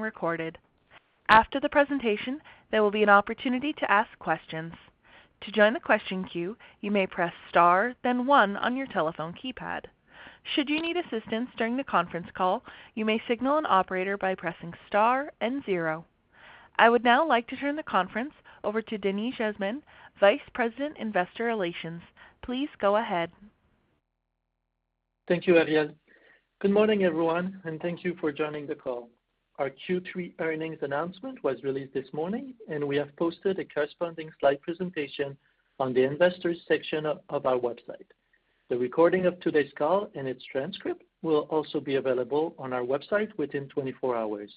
Recorded. After the presentation, there will be an opportunity to ask questions. To join the question queue, you may press Star, then one on your telephone keypad. Should you need assistance during the conference call, you may signal an operator by pressing Star and zero. I would now like to turn the conference over to Denis Jasmin, Vice President, Investor Relations. Please go ahead. Thank you, Ariel. Good morning, everyone, and thank you for joining the call. Our Q3 earnings announcement was released this morning, and we have posted a corresponding slide presentation on the Investors section of our website. The recording of today's call and its transcript will also be available on our website within 24 hours.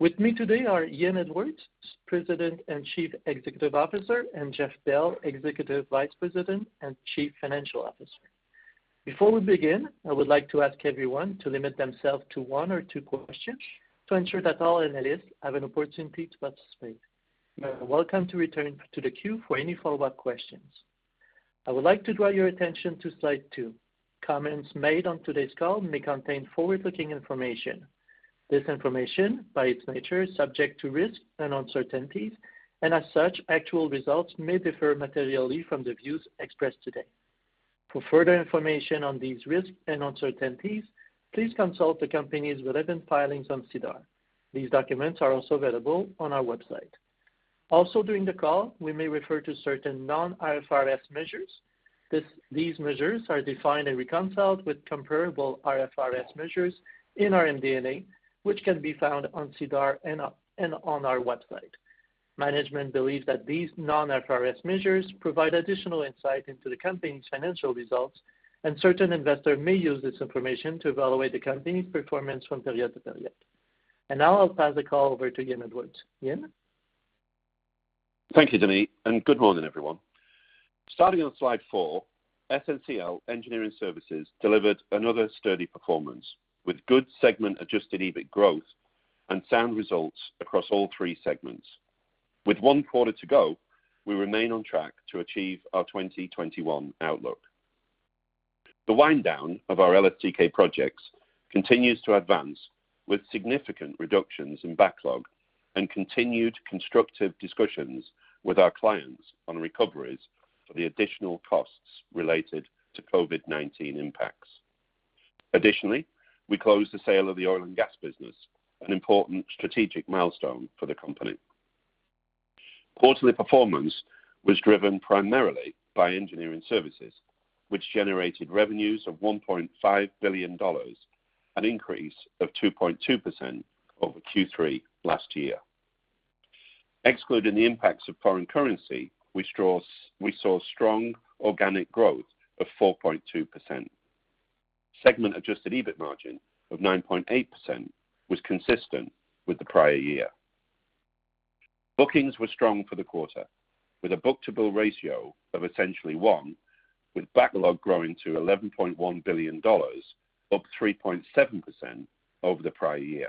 With me today are Ian Edwards, President and Chief Executive Officer, and Jeff Bell, Executive Vice President and Chief Financial Officer. Before we begin, I would like to ask everyone to limit themselves to one or two questions to ensure that all analysts have an opportunity to participate. You are welcome to return to the queue for any follow-up questions. I would like to draw your attention to slide two. Comments made on today's call may contain forward-looking information. This information, by its nature, is subject to risks and uncertainties, and as such, actual results may differ materially from the views expressed today. For further information on these risks and uncertainties, please consult the company's relevant filings on SEDAR. These documents are also available on our website. Also during the call, we may refer to certain non-IFRS measures. These measures are defined and reconciled with comparable IFRS measures in our MD&A, which can be found on SEDAR and on our website. Management believes that these non-IFRS measures provide additional insight into the company's financial results, and certain investors may use this information to evaluate the company's performance from period to period. Now I'll pass the call over to Ian Edwards. Ian. Thank you, Denis, and good morning, everyone. Starting on slide four, SNCL Engineering Services delivered another sturdy performance with good segment adjusted EBIT growth and sound results across all three segments. With one quarter to go, we remain on track to achieve our 2021 outlook. The wind down of our LSTK projects continues to advance with significant reductions in backlog and continued constructive discussions with our clients on recoveries for the additional costs related to COVID-19 impacts. Additionally, we closed the sale of the oil and gas business, an important strategic milestone for the company. Quarterly performance was driven primarily by engineering services, which generated revenues of 1.5 billion dollars, an increase of 2.2% over Q3 last year. Excluding the impacts of foreign currency, we saw strong organic growth of 4.2%. Segment-adjusted EBIT margin of 9.8% was consistent with the prior year. Bookings were strong for the quarter, with a book-to-bill ratio of essentially 1, with backlog growing to 11.1 billion dollars, up 3.7% over the prior year.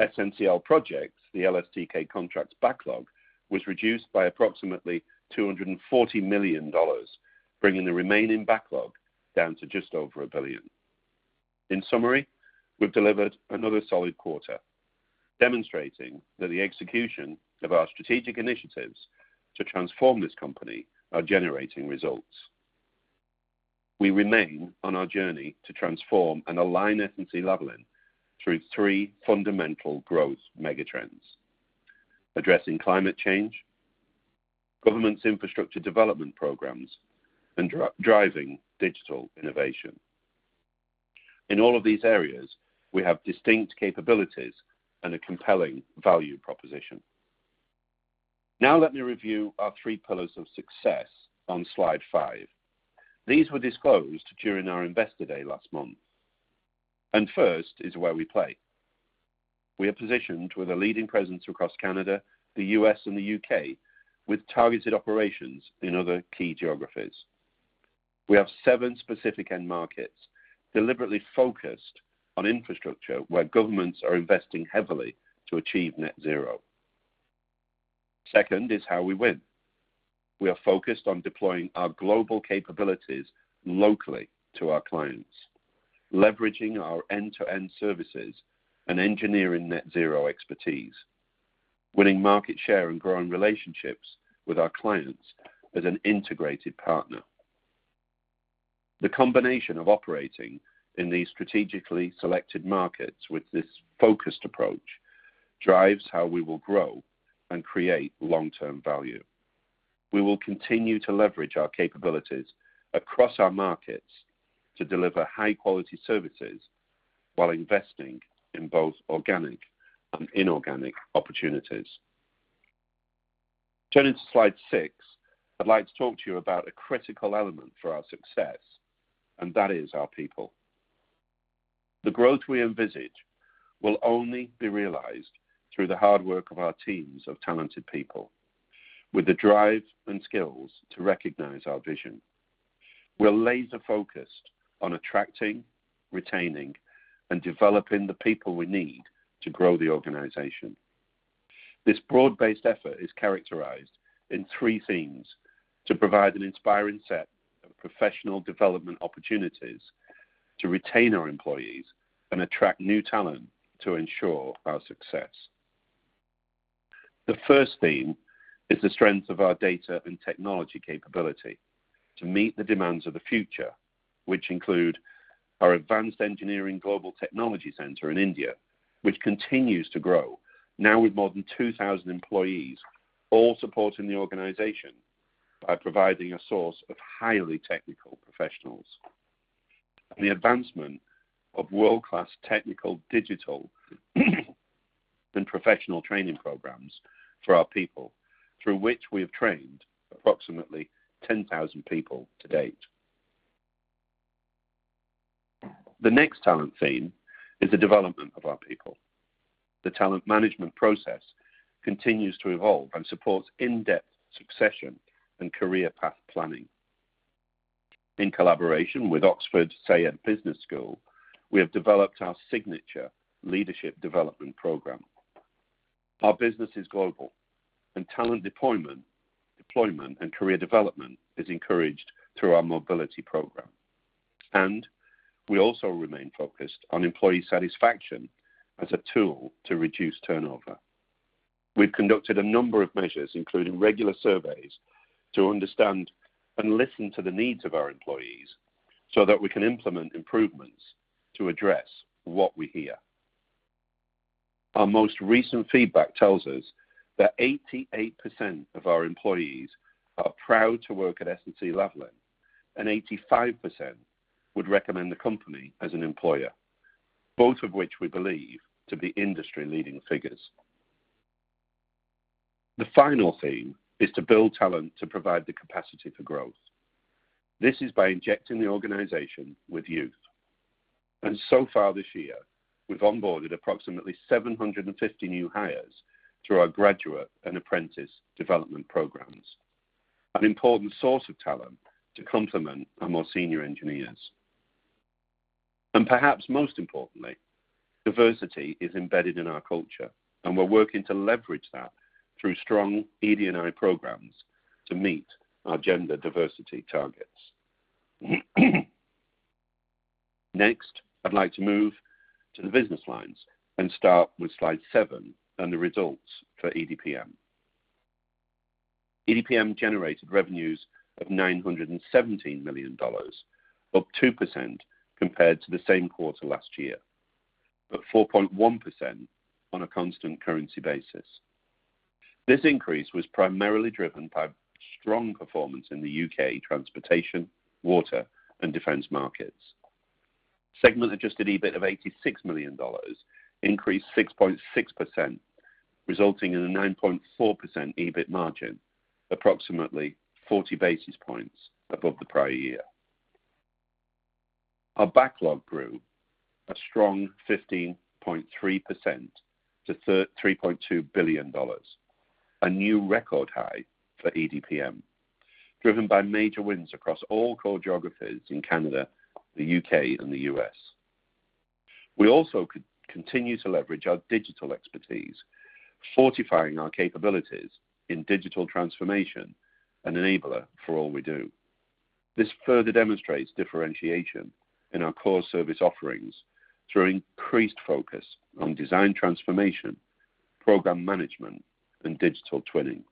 SNCL Projects, the LSTK contracts backlog, was reduced by approximately 240 million dollars, bringing the remaining backlog down to just over 1 billion. In summary, we've delivered another solid quarter, demonstrating that the execution of our strategic initiatives to transform this company are generating results. We remain on our journey to transform and align SNC-Lavalin through three fundamental growth mega trends, addressing climate change, government's infrastructure development programs, and driving digital innovation. In all of these areas, we have distinct capabilities and a compelling value proposition. Now let me review our three pillars of success on slide five. These were disclosed during our Investor Day last month. First is where we play. We are positioned with a leading presence across Canada, the U.S. and the U.K., with targeted operations in other key geographies. We have seven specific end markets deliberately focused on infrastructure where governments are investing heavily to achieve Net Zero. Second is how we win. We are focused on deploying our global capabilities locally to our clients, leveraging our end-to-end services and Engineering Net Zero expertise, winning market share and growing relationships with our clients as an integrated partner. The combination of operating in these strategically selected markets with this focused approach drives how we will grow and create long-term value. We will continue to leverage our capabilities across our markets to deliver high-quality services while investing in both organic and inorganic opportunities. Turning to slide six, I'd like to talk to you about a critical element for our success, and that is our people. The growth we envisage will only be realized through the hard work of our teams of talented people with the drive and skills to recognize our vision. We're laser-focused on attracting, retaining, and developing the people we need to grow the organization. This broad-based effort is characterized in three themes to provide an inspiring set of professional development opportunities to retain our employees and attract new talent to ensure our success. The first theme is the strength of our data and technology capability to meet the demands of the future, which include our Advanced Engineering Global Technology Center in India, which continues to grow now with more than 2,000 employees, all supporting the organization by providing a source of highly technical professionals. The advancement of world-class technical digital and professional training programs for our people, through which we have trained approximately 10,000 people to date. The next talent theme is the development of our people. The talent management process continues to evolve and supports in-depth succession and career path planning. In collaboration with Oxford Saïd Business School, we have developed our signature leadership development program. Our business is global and talent deployment and career development is encouraged through our mobility program. We also remain focused on employee satisfaction as a tool to reduce turnover. We've conducted a number of measures, including regular surveys, to understand and listen to the needs of our employees so that we can implement improvements to address what we hear. Our most recent feedback tells us that 88% of our employees are proud to work at SNC-Lavalin, and 85% would recommend the company as an employer, both of which we believe to be industry-leading figures. The final theme is to build talent to provide the capacity for growth. This is by injecting the organization with youth. So far this year, we've onboarded approximately 750 new hires through our graduate and apprentice development programs, an important source of talent to complement our more senior engineers. Perhaps most importantly, diversity is embedded in our culture, and we're working to leverage that through strong ED&I programs to meet our gender diversity targets. Next, I'd like to move to the business lines and start with slide seven and the results for EDPM. EDPM generated revenues of 917 million dollars, up 2% compared to the same quarter last year, but 4.1% on a constant currency basis. This increase was primarily driven by strong performance in the U.K. transportation, water, and defense markets. Segment adjusted EBIT of 86 million dollars increased 6.6%, resulting in a 9.4% EBIT margin, approximately 40 basis points above the prior year. Our backlog grew a strong 15.3% to 3.2 billion dollars, a new record high for EDPM, driven by major wins across all core geographies in Canada, the U.K., and the U.S. We also continue to leverage our digital expertise, fortifying our capabilities in digital transformation, an enabler for all we do. This further demonstrates differentiation in our core service offerings through increased focus on design transformation, program management, and digital twinning.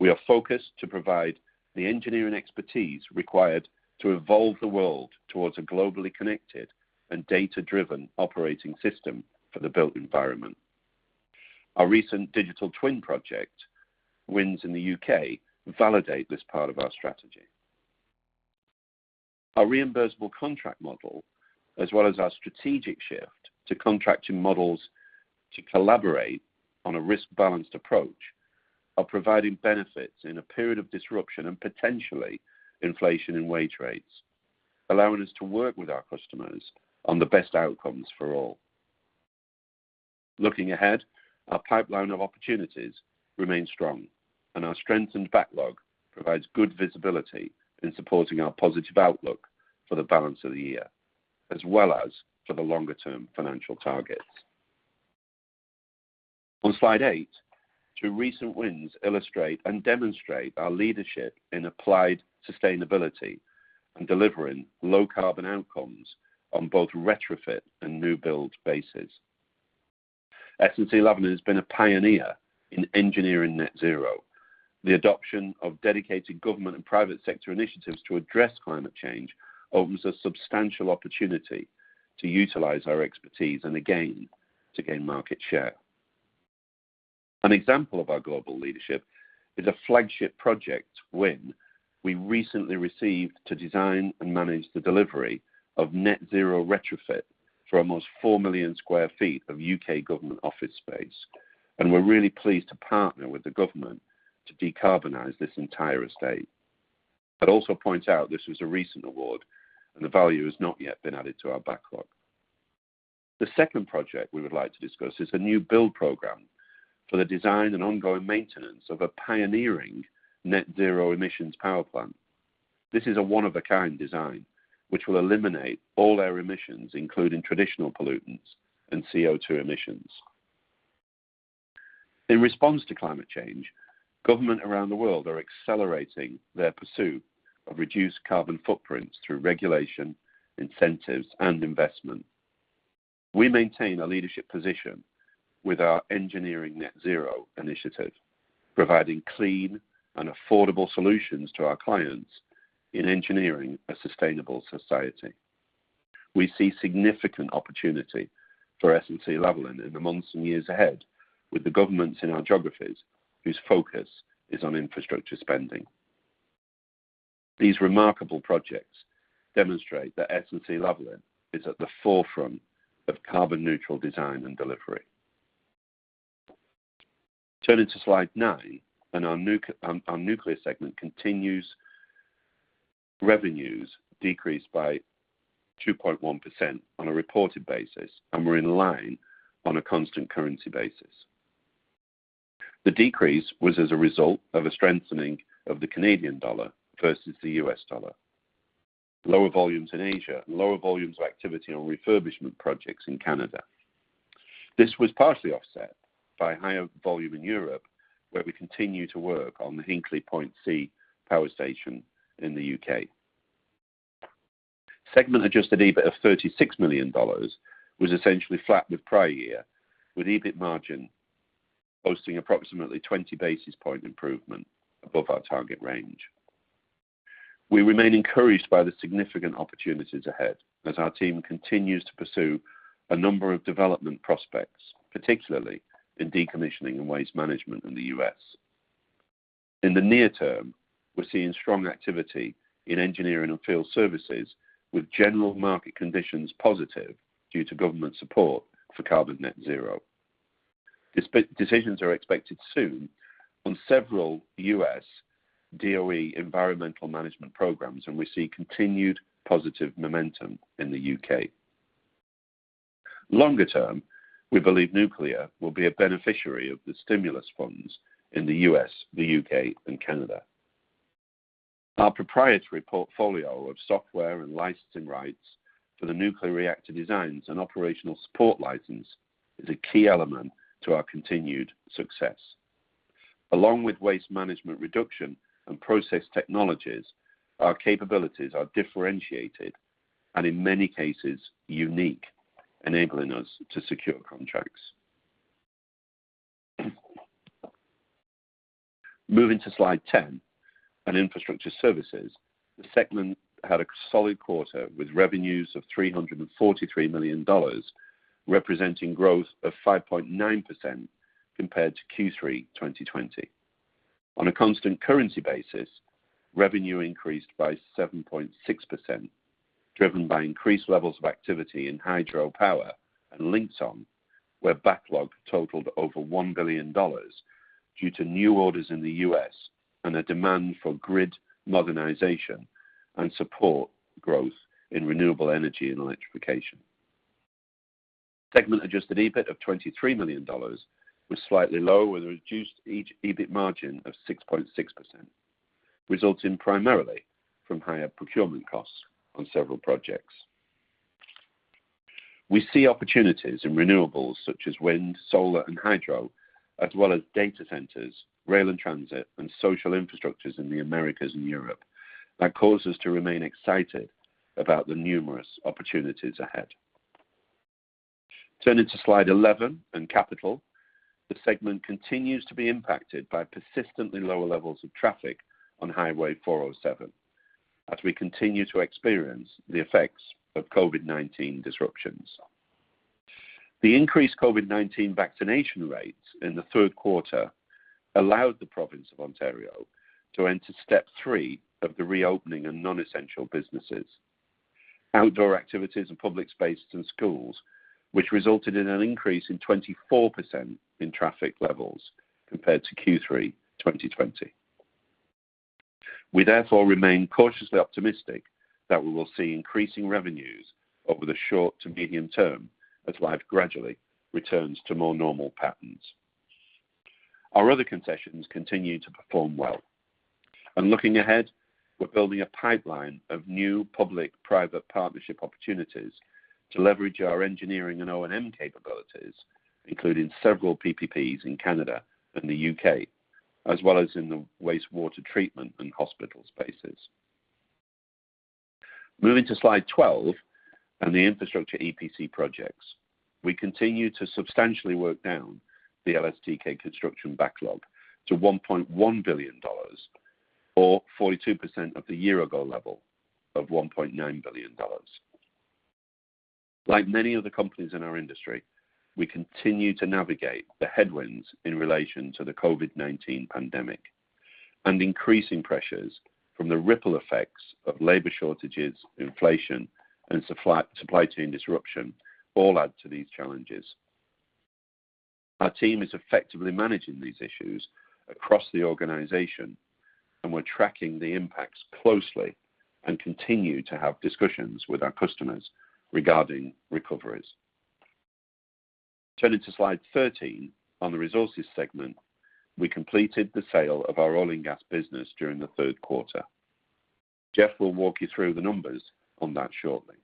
We are focused to provide the engineering expertise required to evolve the world towards a globally connected and data-driven operating system for the built environment. Our recent digital twin project wins in the U.K. validate this part of our strategy. Our reimbursable contract model, as well as our strategic shift to contracting models to collaborate on a risk-balanced approach, are providing benefits in a period of disruption and potentially inflation in wage rates, allowing us to work with our customers on the best outcomes for all. Looking ahead, our pipeline of opportunities remains strong and our strengthened backlog provides good visibility in supporting our positive outlook for the balance of the year, as well as for the longer-term financial targets. On slide eight, two recent wins illustrate and demonstrate our leadership in applied sustainability and delivering low-carbon outcomes on both retrofit and new build bases. SNC-Lavalin has been a pioneer in Engineering Net Zero. The adoption of dedicated government and private sector initiatives to address climate change opens a substantial opportunity to utilize our expertise and again to gain market share. An example of our global leadership is a flagship project win we recently received to design and manage the delivery of Net Zero retrofit for almost 4 million sq ft of U.K. government office space. We're really pleased to partner with the government to decarbonize this entire estate. I'd also point out this was a recent award and the value has not yet been added to our backlog. The second project we would like to discuss is a new build program for the design and ongoing maintenance of a pioneering Net Zero emissions power plant. This is a one-of-a-kind design which will eliminate all air emissions, including traditional pollutants and CO2 emissions. In response to climate change, governments around the world are accelerating their pursuit of reduced carbon footprints through regulation, incentives and investment. We maintain a leadership position with our Engineering Net Zero initiative, providing clean and affordable solutions to our clients in engineering a sustainable society. We see significant opportunity for SNC-Lavalin in the months and years ahead with the governments in our geographies whose focus is on infrastructure spending. These remarkable projects demonstrate that SNC-Lavalin is at the forefront of carbon neutral design and delivery. Turning to slide nine and our nuclear segment continues. Revenues decreased by 2.1% on a reported basis and were in line on a constant currency basis. The decrease was as a result of a strengthening of the Canadian dollar versus the U.S. dollar, lower volumes in Asia, and lower volumes of activity on refurbishment projects in Canada. This was partially offset by higher volume in Europe, where we continue to work on the Hinkley Point C power station in the U.K. Segment adjusted EBIT of 36 million dollars was essentially flat with prior year, with EBIT margin holding approximately 20 basis points improvement above our target range. We remain encouraged by the significant opportunities ahead as our team continues to pursue a number of development prospects, particularly in decommissioning and waste management in the U.S. In the near term, we're seeing strong activity in engineering and field services, with general market conditions positive due to government support for Net Zero. Decisions are expected soon on several U.S. DOE environmental management programs, and we see continued positive momentum in the U.K. Longer term, we believe nuclear will be a beneficiary of the stimulus funds in the U.S., the U.K. and Canada. Our proprietary portfolio of software and licensing rights for the nuclear reactor designs and operational support license is a key element to our continued success. Along with waste management reduction and process technologies, our capabilities are differentiated and in many cases unique, enabling us to secure contracts. Moving to slide 10 and infrastructure services. The segment had a solid quarter with revenues of 343 million dollars, representing growth of 5.9% compared to Q3 2020. On a constant currency basis, revenue increased by 7.6%, driven by increased levels of activity in hydropower and Linxon where backlog totaled over 1 billion dollars due to new orders in the U.S. and a demand for grid modernization and support growth in renewable energy and electrification. Segment adjusted EBIT of 23 million dollars was slightly lower, with a reduced EBIT margin of 6.6%, resulting primarily from higher procurement costs on several projects. We see opportunities in renewables such as wind, solar and hydro, as well as data centers, rail and transit and social infrastructures in the Americas and Europe that cause us to remain excited about the numerous opportunities ahead. Turning to slide 11 and capital. The segment continues to be impacted by persistently lower levels of traffic on Highway 407 as we continue to experience the effects of COVID-19 disruptions. The increased COVID-19 vaccination rates in the third quarter allowed the province of Ontario to enter step three of the reopening of non-essential businesses, outdoor activities and public spaces and schools, which resulted in an increase in 24% in traffic levels compared to Q3 2020. We therefore remain cautiously optimistic that we will see increasing revenues over the short to medium term as life gradually returns to more normal patterns. Our other concessions continue to perform well, and looking ahead, we're building a pipeline of new public private partnership opportunities to leverage our engineering and O&M capabilities, including several PPPs in Canada and the U.K., as well as in the wastewater treatment and hospital spaces. Moving to slide 12 and the infrastructure EPC projects. We continue to substantially work down the LSTK construction backlog to 1.1 billion dollars, or 42% of the year ago level of 1.9 billion dollars. Like many other companies in our industry, we continue to navigate the headwinds in relation to the COVID-19 pandemic, and increasing pressures from the ripple effects of labor shortages, inflation and supply chain disruption all add to these challenges. Our team is effectively managing these issues across the organization, and we're tracking the impacts closely and continue to have discussions with our customers regarding recoveries. Turning to slide 13, on the resources segment, we completed the sale of our oil and gas business during the third quarter. Jeff will walk you through the numbers on that shortly.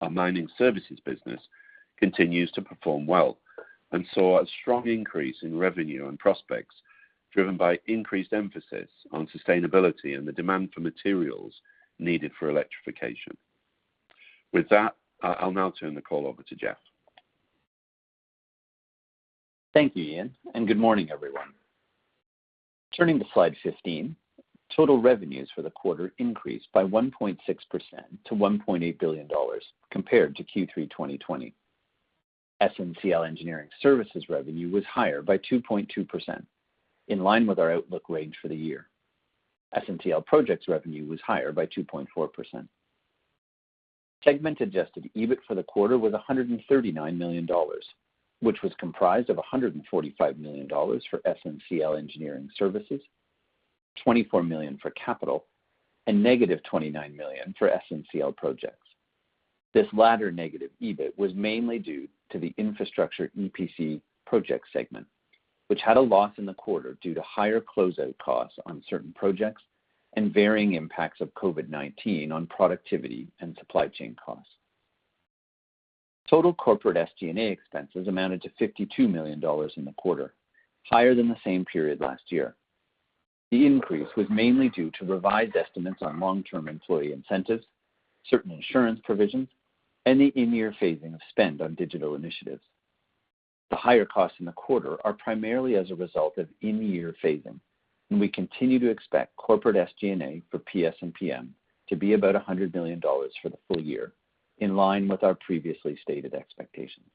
Our mining services business continues to perform well and saw a strong increase in revenue and prospects driven by increased emphasis on sustainability and the demand for materials needed for electrification. With that, I'll now turn the call over to Jeff. Thank you, Ian, and good morning, everyone. Turning to slide 15, total revenues for the quarter increased by 1.6% to 1.8 billion dollars compared to Q3 2020. SNCL Engineering Services revenue was higher by 2.2%, in line with our outlook range for the year. SNCL Projects revenue was higher by 2.4%. Segment adjusted EBIT for the quarter was 139 million dollars, which was comprised of 145 million dollars for SNCL Engineering Services, 24 million for capital, and -29 million for SNCL Projects. This latter negative EBIT was mainly due to the infrastructure EPC project segment, which had a loss in the quarter due to higher closeout costs on certain projects and varying impacts of COVID-19 on productivity and supply chain costs. Total corporate SG&A expenses amounted to 52 million dollars in the quarter, higher than the same period last year. The increase was mainly due to revised estimates on long-term employee incentives, certain insurance provisions, and the in-year phasing of spend on digital initiatives. The higher costs in the quarter are primarily as a result of in-year phasing, and we continue to expect corporate SG&A for PS&PM to be about 100 million dollars for the full year, in line with our previously stated expectations.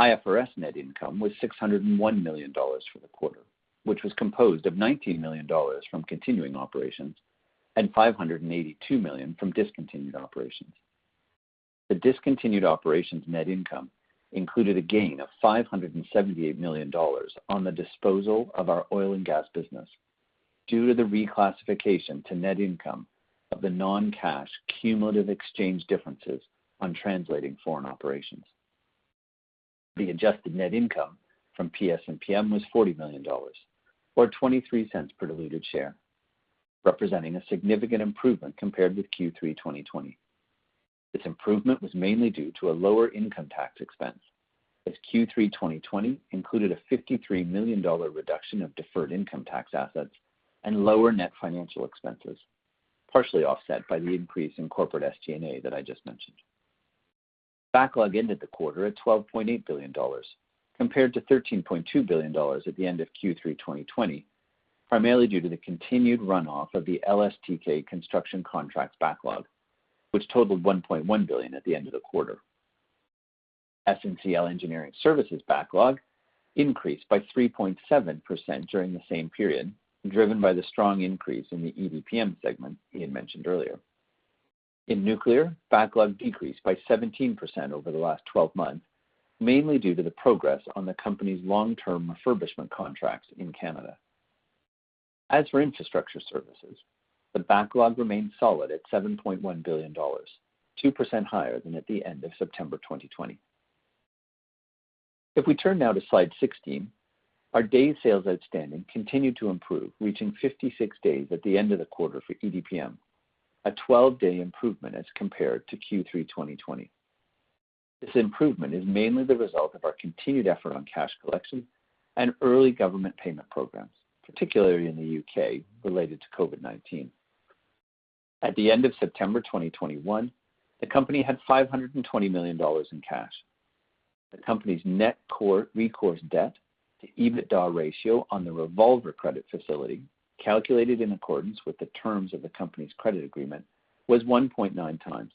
IFRS net income was 601 million dollars for the quarter, which was composed of 19 million dollars from continuing operations and 582 million from discontinued operations. The discontinued operations net income included a gain of 578 million dollars on the disposal of our oil and gas business due to the reclassification to net income of the non-cash cumulative exchange differences on translating foreign operations. The adjusted net income from PS&PM was 40 million dollars or 0.23 per diluted share, representing a significant improvement compared with Q3 2020. This improvement was mainly due to a lower income tax expense, as Q3 2020 included a 53 million dollar reduction of deferred income tax assets and lower net financial expenses, partially offset by the increase in corporate SG&A that I just mentioned. Backlog ended the quarter at 12.8 billion dollars compared to 13.2 billion dollars at the end of Q3 2020, primarily due to the continued runoff of the LSTK construction contract backlog, which totaled 1.1 billion at the end of the quarter. SNCL Engineering Services backlog increased by 3.7% during the same period, driven by the strong increase in the EDPM segment Ian mentioned earlier. In nuclear, backlog decreased by 17% over the last 12 months, mainly due to the progress on the company's long-term refurbishment contracts in Canada. As for infrastructure services, the backlog remains solid at 7.1 billion dollars, 2% higher than at the end of September 2020. If we turn now to slide 16, our days sales outstanding continued to improve, reaching 56 days at the end of the quarter for EDPM, a 12-day improvement as compared to Q3 2020. This improvement is mainly the result of our continued effort on cash collection and early government payment programs, particularly in the U.K., related to COVID-19. At the end of September 2021, the company had 520 million dollars in cash. The company's net core recourse debt to EBITDA ratio on the revolver credit facility, calculated in accordance with the terms of the company's credit agreement, was 1.9 times,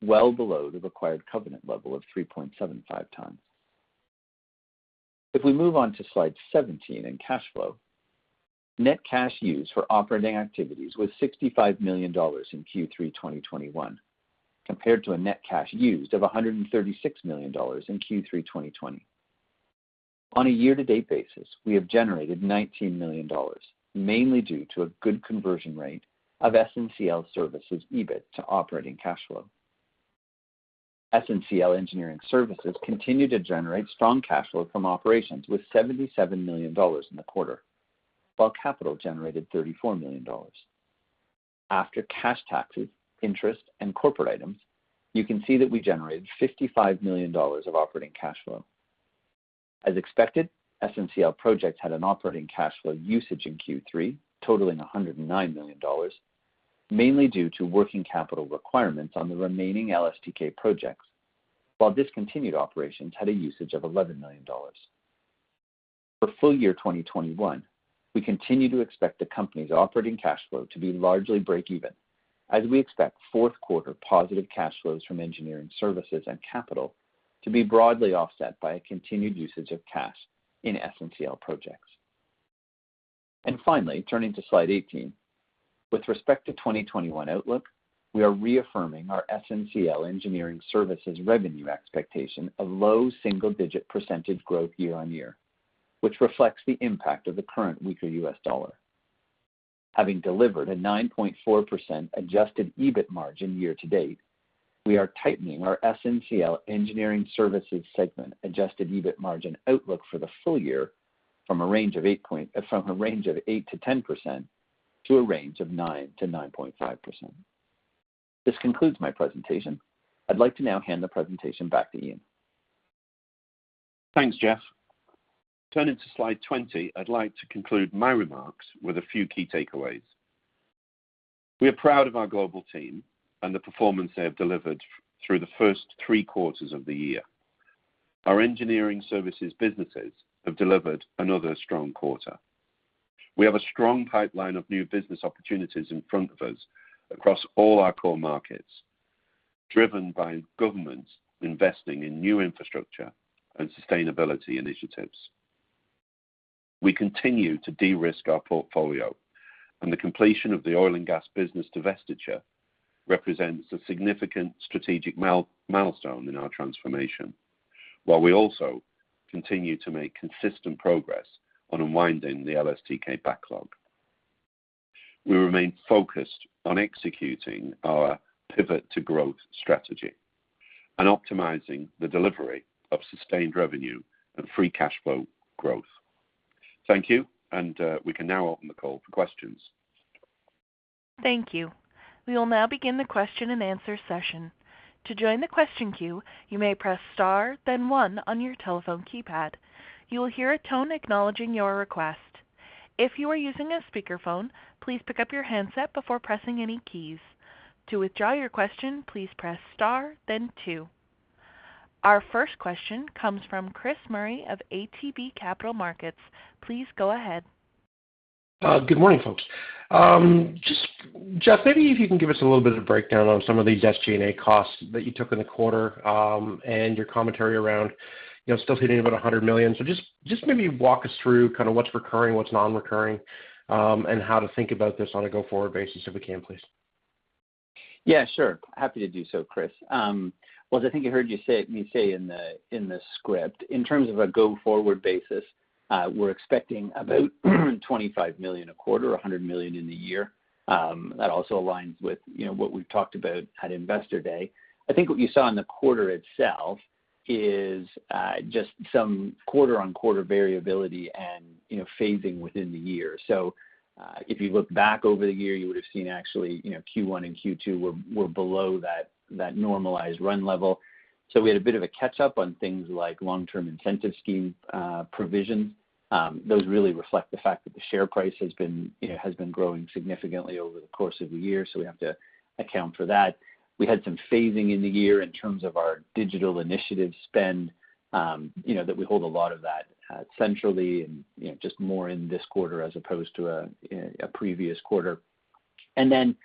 well below the required covenant level of 3.75 times. If we move on to slide 17 in cash flow, net cash used for operating activities was 65 million dollars in Q3 2021, compared to a net cash used of 136 million dollars in Q3 2020. On a year-to-date basis, we have generated 19 million dollars, mainly due to a good conversion rate of SNCL Services EBIT to operating cash flow. SNCL Engineering Services continued to generate strong cash flow from operations with 77 million dollars in the quarter, while capital generated 34 million dollars. After cash taxes, interest, and corporate items, you can see that we generated 55 million dollars of operating cash flow. As expected, SNCL Projects had an operating cash flow usage in Q3 totaling 109 million dollars, mainly due to working capital requirements on the remaining LSTK projects. While discontinued operations had a usage of 11 million dollars. For full year 2021, we continue to expect the company's operating cash flow to be largely break even as we expect fourth quarter positive cash flows from engineering services and capital to be broadly offset by a continued usage of cash in SNCL Projects. Finally, turning to slide 18, with respect to 2021 outlook, we are reaffirming our SNCL Engineering Services revenue expectation of low single-digit % growth year-on-year, which reflects the impact of the current weaker US dollar. Having delivered a 9.4% adjusted EBIT margin year to date, we are tightening our SNCL Engineering Services segment adjusted EBIT margin outlook for the full year from a range of 8%-10% to a range of 9%-9.5%. This concludes my presentation. I'd like to now hand the presentation back to Ian. Thanks, Jeff. Turning to slide 20, I'd like to conclude my remarks with a few key takeaways. We are proud of our global team and the performance they have delivered through the first three quarters of the year. Our engineering services businesses have delivered another strong quarter. We have a strong pipeline of new business opportunities in front of us across all our core markets, driven by governments investing in new infrastructure and sustainability initiatives. We continue to de-risk our portfolio, and the completion of the oil and gas business divestiture represents a significant strategic milestone in our transformation, while we also continue to make consistent progress on unwinding the LSTK backlog. We remain focused on executing our pivot to growth strategy and optimizing the delivery of sustained revenue and free cash flow growth. Thank you, and we can now open the call for questions. Thank you. We will now begin the question and answer session. To join the question queue, you may press star then one on your telephone keypad. You will hear a tone acknowledging your request. If you are using a speakerphone, please pick up your handset before pressing any keys. To withdraw your question, please press star then two. Our first question comes from Chris Murray of ATB Capital Markets. Please go ahead. Good morning, folks. Just Jeff, maybe if you can give us a little bit of breakdown on some of these SG&A costs that you took in the quarter, and your commentary around, you know, still hitting about 100 million. Just maybe walk us through kind of what's recurring, what's non-recurring, and how to think about this on a go-forward basis, if we can, please. Yeah, sure. Happy to do so, Chris. Well, as I think you heard me say in the script, in terms of a go-forward basis, we're expecting about 25 million a quarter, 100 million in the year. That also aligns with, you know, what we've talked about at Investor Day. I think what you saw in the quarter itself is just some quarter-on-quarter variability and, you know, phasing within the year. If you look back over the year, you would have seen actually, you know, Q1 and Q2 were below that normalized run level. We had a bit of a catch-up on things like long-term incentive scheme provisions. Those really reflect the fact that the share price has been, you know, growing significantly over the course of the year, so we have to account for that. We had some phasing in the year in terms of our digital initiative spend, you know, that we hold a lot of that centrally and, you know, just more in this quarter as opposed to a previous quarter. Then,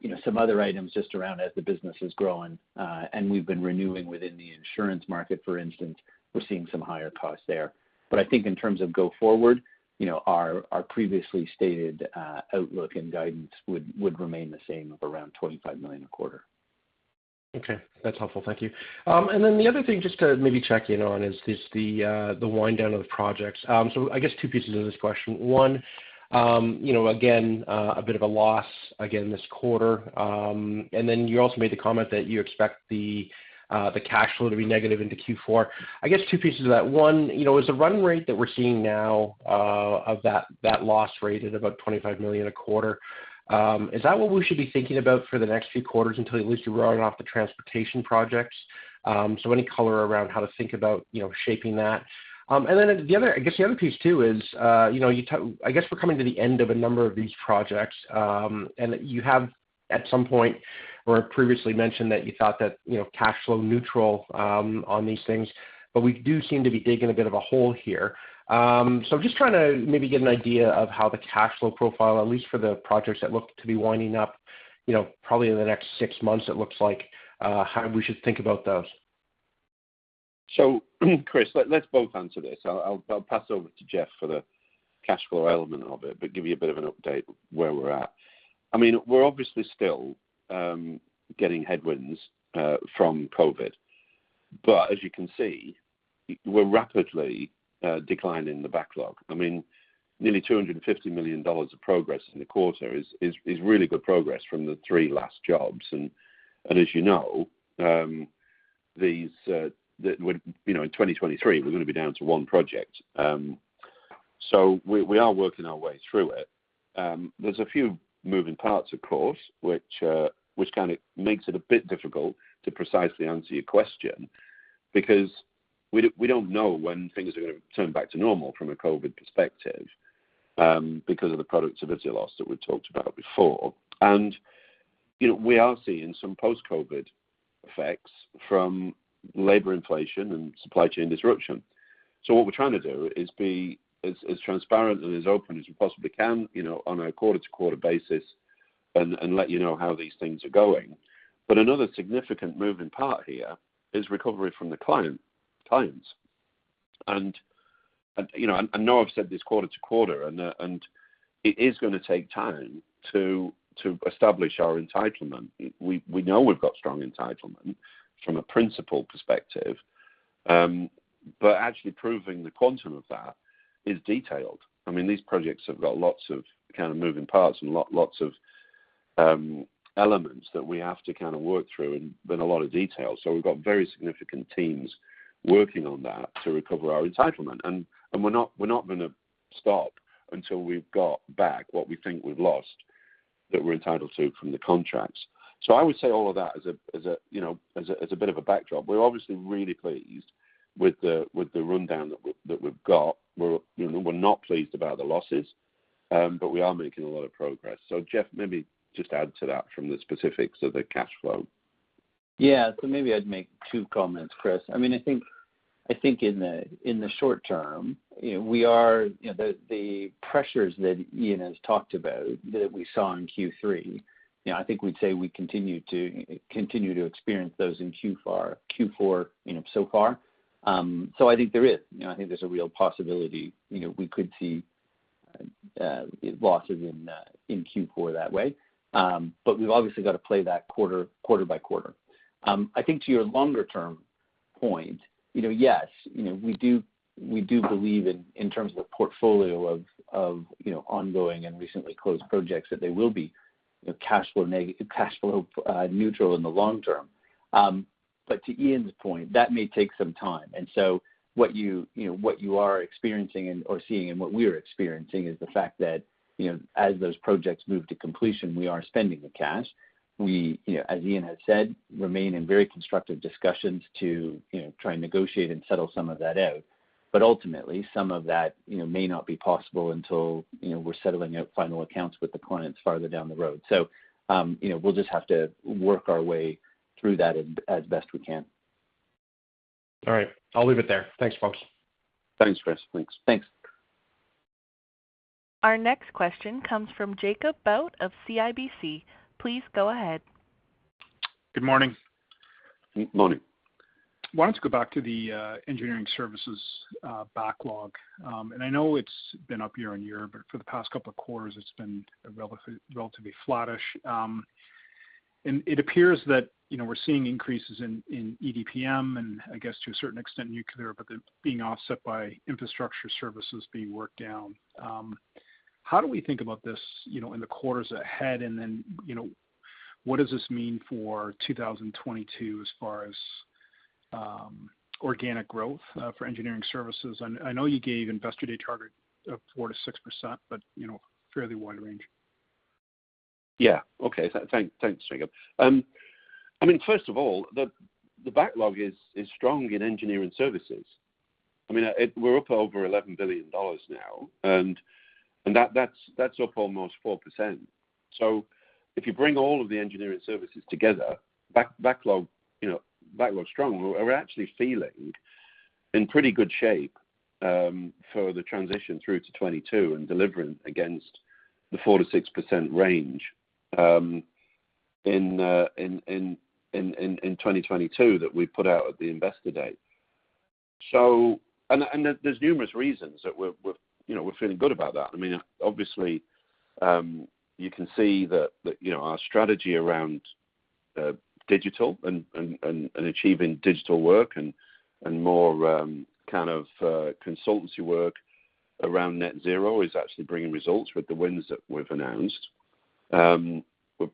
you know, some other items just around as the business is growing, and we've been renewing within the insurance market, for instance. We're seeing some higher costs there. I think in terms of go forward, you know, our previously stated outlook and guidance would remain the same of around 25 million a quarter. Okay, that's helpful. Thank you. The other thing just to maybe check in on is the wind down of the projects. I guess two pieces of this question. One, you know, again, a bit of a loss again this quarter. You also made the comment that you expect the cash flow to be negative into Q4. I guess two pieces of that. One, you know, is the run rate that we're seeing now of that loss rate at about 25 million a quarter, is that what we should be thinking about for the next few quarters until at least you're running off the transportation projects? Any color around how to think about, you know, shaping that. I guess the other piece too is, you know, I guess we're coming to the end of a number of these projects, and you have at some point or previously mentioned that you thought that, you know, cash flow neutral, on these things. We do seem to be digging a bit of a hole here. Just trying to maybe get an idea of how the cash flow profile, at least for the projects that look to be winding up, you know, probably in the next six months, it looks like, how we should think about those. Chris, let's both answer this. I'll pass over to Jeff for the cash flow element of it, but give you a bit of an update where we're at. I mean, we're obviously still getting headwinds from COVID. As you can see, we're rapidly declining the backlog. I mean, nearly 250 million dollars of progress in the quarter is really good progress from the three last jobs. As you know, these, you know, in 2023, we're gonna be down to one project. We are working our way through it. There's a few moving parts, of course, which kind of makes it a bit difficult to precisely answer your question because we don't know when things are gonna turn back to normal from a COVID perspective, because of the byproducts of the delays that we talked about before. You know, we are seeing some post-COVID effects from labor inflation and supply chain disruption. What we're trying to do is be as transparent and as open as we possibly can, you know, on a quarter-to-quarter basis and let you know how these things are going. Another significant moving part here is recovery from the clients. You know, I know I've said this quarter to quarter and it is gonna take time to establish our entitlement. We know we've got strong entitlement from a principal perspective. Actually proving the quantum of that is detailed. I mean, these projects have got lots of kind of moving parts and lots of elements that we have to kind of work through and then a lot of detail. We've got very significant teams working on that to recover our entitlement. We're not gonna stop until we've got back what we think we've lost that we're entitled to from the contracts. I would say all of that as a, you know, as a bit of a backdrop. We're obviously really pleased with the rundown that we've got. You know, we're not pleased about the losses, but we are making a lot of progress. Jeff, maybe just add to that from the specifics of the cash flow. Yeah. Maybe I'd make two comments, Chris. I mean, I think in the short term, you know, we are, you know, the pressures that Ian has talked about that we saw in Q3, you know, I think we'd say we continue to experience those in Q4, you know, so far. I think there is a real possibility, you know, we could see losses in Q4 that way. But we've obviously got to play that quarter by quarter. I think to your longer term point, you know, yes, you know, we do believe in terms of the portfolio of, you know, ongoing and recently closed projects that they will be, you know, cash flow neutral in the long term. To Ian's point, that may take some time. What you are experiencing and/or seeing and what we're experiencing is the fact that, you know, as those projects move to completion, we are spending the cash. We, you know, as Ian has said, remain in very constructive discussions to, you know, try and negotiate and settle some of that out. Ultimately, some of that, you know, may not be possible until, you know, we're settling out final accounts with the clients farther down the road. We'll just have to work our way through that as best we can. All right. I'll leave it there. Thanks, folks. Thanks, Chris. Thanks. Thanks. Our next question comes from Jacob Bout of CIBC. Please go ahead. Good morning. Morning. wanted to go back to the engineering services backlog. I know it's been up year-over-year, but for the past couple of quarters, it's been relatively flattish. It appears that, you know, we're seeing increases in ED&PM and I guess to a certain extent nuclear, but they're being offset by infrastructure services being worked down. How do we think about this, you know, in the quarters ahead? You know, what does this mean for 2022 as far as organic growth for engineering services? I know you gave Investor Day target of 4%-6%, but you know, fairly wide range. Yeah. Okay. Thanks, Jacob. I mean, first of all, the backlog is strong in engineering services. I mean, we're up over 11 billion dollars now, and that's up almost 4%. If you bring all of the engineering services together, backlog, you know, backlog is strong. We're actually feeling in pretty good shape for the transition through to 2022 and delivering against the 4%-6% range in 2022 that we put out at the Investor Day. There's numerous reasons that we're, you know, we're feeling good about that. I mean, obviously, you can see that, you know, our strategy around digital and achieving digital work and more kind of consultancy work around net zero is actually bringing results with the wins that we've announced. We're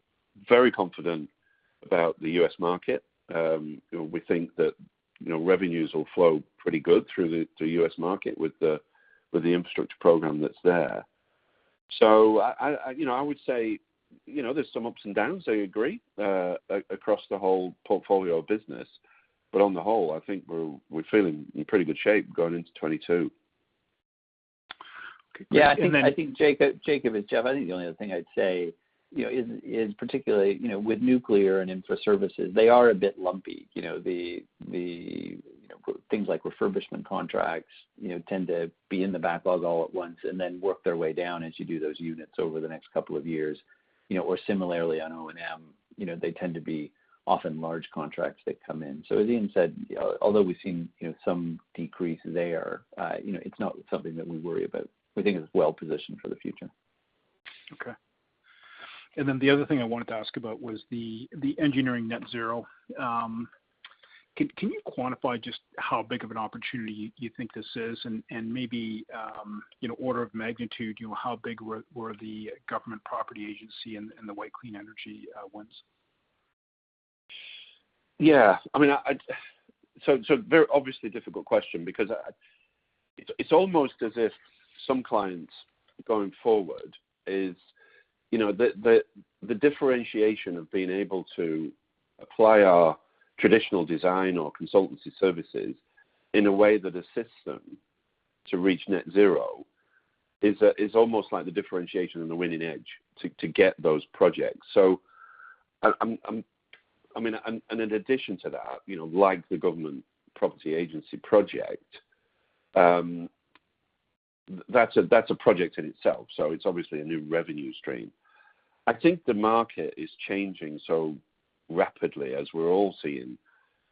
very confident about the U.S. market. We think that, you know, revenues will flow pretty good through the U.S. market with the infrastructure program that's there. You know, I would say, you know, there's some ups and downs, I agree, across the whole portfolio of business. On the whole, I think we're feeling in pretty good shape going into 2022. Yeah. I think, Jacob it's Jeff, I think the only other thing I'd say, you know, is particularly, you know, with nuclear and infra services, they are a bit lumpy. You know, the you know, things like refurbishment contracts, you know, tend to be in the backlog all at once and then work their way down as you do those units over the next couple of years. You know, or similarly on O&M, you know, they tend to be often large contracts that come in. As Ian said, although we've seen, you know, some decrease there, you know, it's not something that we worry about. We think it's well-positioned for the future. Okay. The other thing I wanted to ask about was the Engineering Net Zero. Can you quantify just how big of an opportunity you think this is? Maybe, you know, order of magnitude, you know, how big were the Government Property Agency and the Whitetail Clean Energy wins? Yeah, I mean, it's so very obviously difficult question because it's almost as if some clients going forward is, you know, the differentiation of being able to apply our traditional design or consultancy services in a way that assists them to reach net zero is almost like the differentiation and the winning edge to get those projects. I mean, in addition to that, you know, like the Government Property Agency project, that's a project in itself, so it's obviously a new revenue stream. I think the market is changing so rapidly as we're all seeing,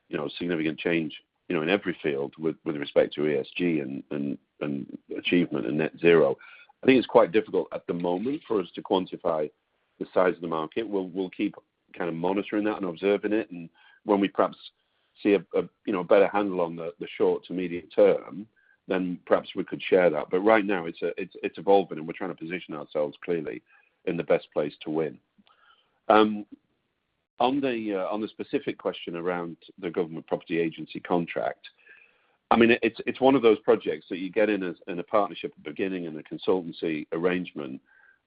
you know, significant change in every field with respect to ESG and achievement in net zero. I think it's quite difficult at the moment for us to quantify the size of the market. We'll keep kind of monitoring that and observing it, and when we perhaps see a you know a better handle on the short to immediate term, then perhaps we could share that. Right now, it's evolving, and we're trying to position ourselves clearly in the best place to win. On the specific question around the Government Property Agency contract, I mean, it's one of those projects that you get in as in a partnership at the beginning, in a consultancy arrangement,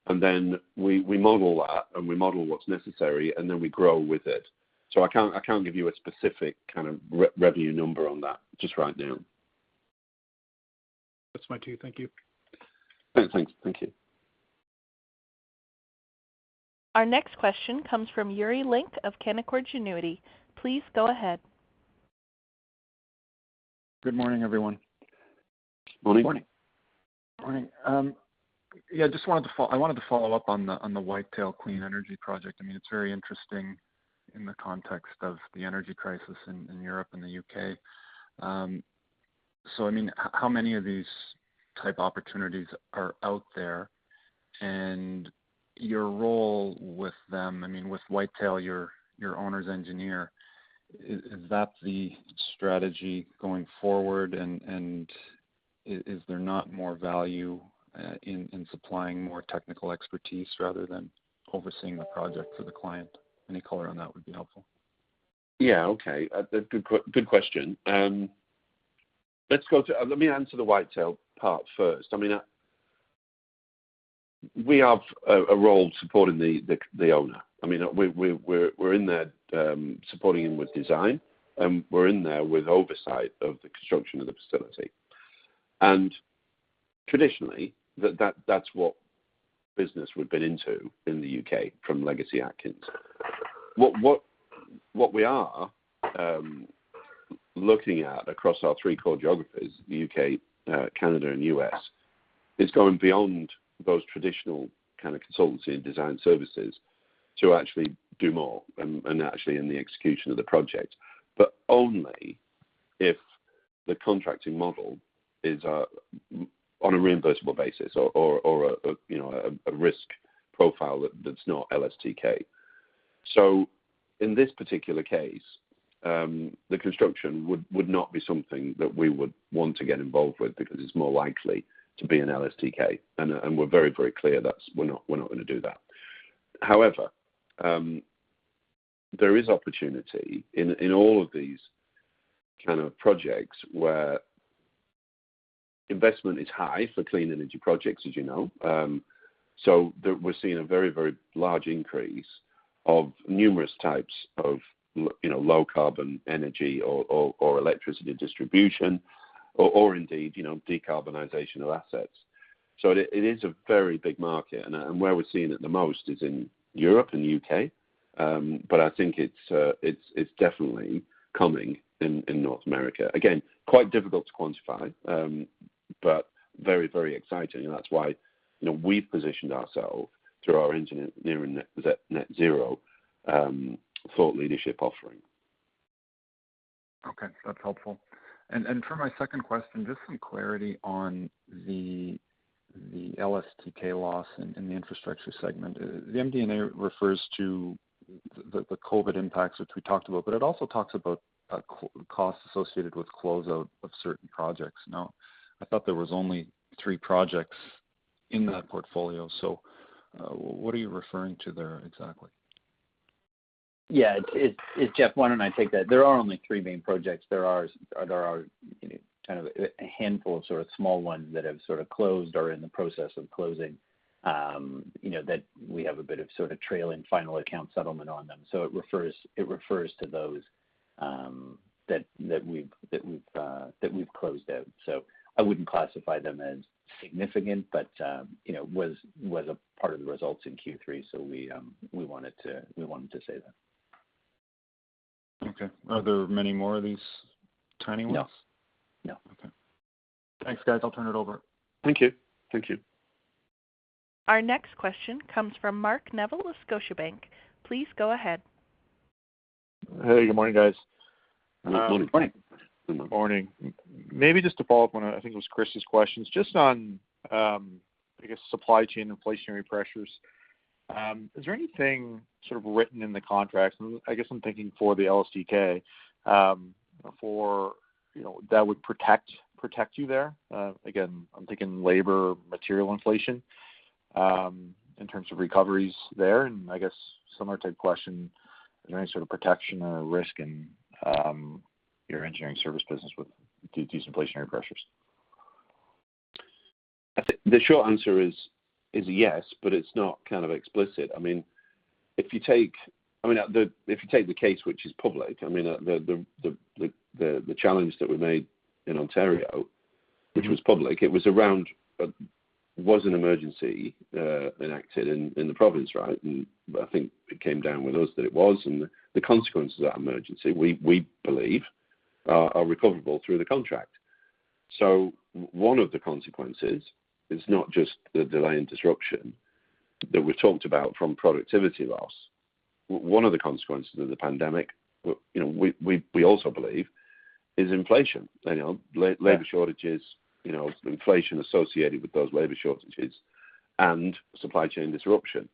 and then we model that, and we model what's necessary, and then we grow with it. I can't give you a specific kind of revenue number on that just right now. That's fine too. Thank you. Thanks. Thank you. Our next question comes from Yuri Lynk of Canaccord Genuity. Please go ahead. Good morning, everyone. Morning. Morning. Morning. Yeah, I just wanted to follow up on the Whitetail Clean Energy project. I mean, it's very interesting in the context of the energy crisis in Europe and the U.K. I mean, how many of these type opportunities are out there? Your role with them, I mean, with Whitetail, your owner's engineer, is that the strategy going forward? Is there not more value in supplying more technical expertise rather than overseeing the project for the client? Any color on that would be helpful. Yeah, okay. Good question. Let me answer the Whitetail part first. I mean, we have a role supporting the owner. I mean, we're in there supporting him with design, and we're in there with oversight of the construction of the facility. Traditionally, that's what business we've been into in the U.K. from Legacy Atkins. What we are looking at across our three core geographies, the U.K., Canada and U.S., is going beyond those traditional kind of consultancy and design services to actually do more and actually in the execution of the project. But only if the contracting model is on a reimbursable basis or, you know, a risk profile that's not LSTK. In this particular case, the construction would not be something that we would want to get involved with because it's more likely to be an LSTK, and we're very clear that we're not gonna do that. However, there is opportunity in all of these kind of projects where investment is high for clean energy projects, as you know. We're seeing a very large increase of numerous types of low carbon energy or electricity distribution or indeed, you know, decarbonization of assets. It is a very big market. Where we're seeing it the most is in Europe and the U.K. I think it's definitely coming in North America. Again, quite difficult to quantify, but very exciting. That's why, you know, we've positioned ourselves through our Engineering Net Zero thought leadership offering. Okay. That's helpful. For my second question, just some clarity on the LSTK loss in the infrastructure segment. The MD&A refers to the COVID impacts, which we talked about, but it also talks about costs associated with close out of certain projects. Now, I thought there was only three projects in that portfolio, so what are you referring to there exactly? Yeah. It's Jeff, why don't I take that? There are only three main projects. There are, you know, kind of a handful of sort of small ones that have sort of closed or are in the process of closing, you know, that we have a bit of sort of trail and final account settlement on them. So it refers to those, that we've closed out. So I wouldn't classify them as significant, but, you know, was a part of the results in Q3, so we wanted to say that. Okay. Are there many more of these tiny ones? No. Okay. Thanks, guys. I'll turn it over. Thank you. Thank you. Our next question comes from Mark Neville of Scotiabank. Please go ahead. Hey, good morning, guys. Morning. Morning. Morning. Maybe just to follow up on, I think it was Chris's questions, just on, I guess supply chain inflationary pressures. Is there anything sort of written in the contracts, and I guess I'm thinking for the LSTK, you know, that would protect you there? Again, I'm thinking labor, material inflation, in terms of recoveries there. I guess similar type question, is there any sort of protection or risk in, your engineering service business with these inflationary pressures? I think the short answer is yes, but it's not kind of explicit. I mean, if you take the case, which is public, the challenge that we made in Ontario, which was public, it was around an emergency enacted in the province, right? I think it came down to us that it was, and the consequences of that emergency, we believe are recoverable through the contract. One of the consequences is not just the delay and disruption that we talked about from productivity loss. One of the consequences of the pandemic, you know, we also believe is inflation. You know, labor shortages, you know, inflation associated with those labor shortages and supply chain disruption.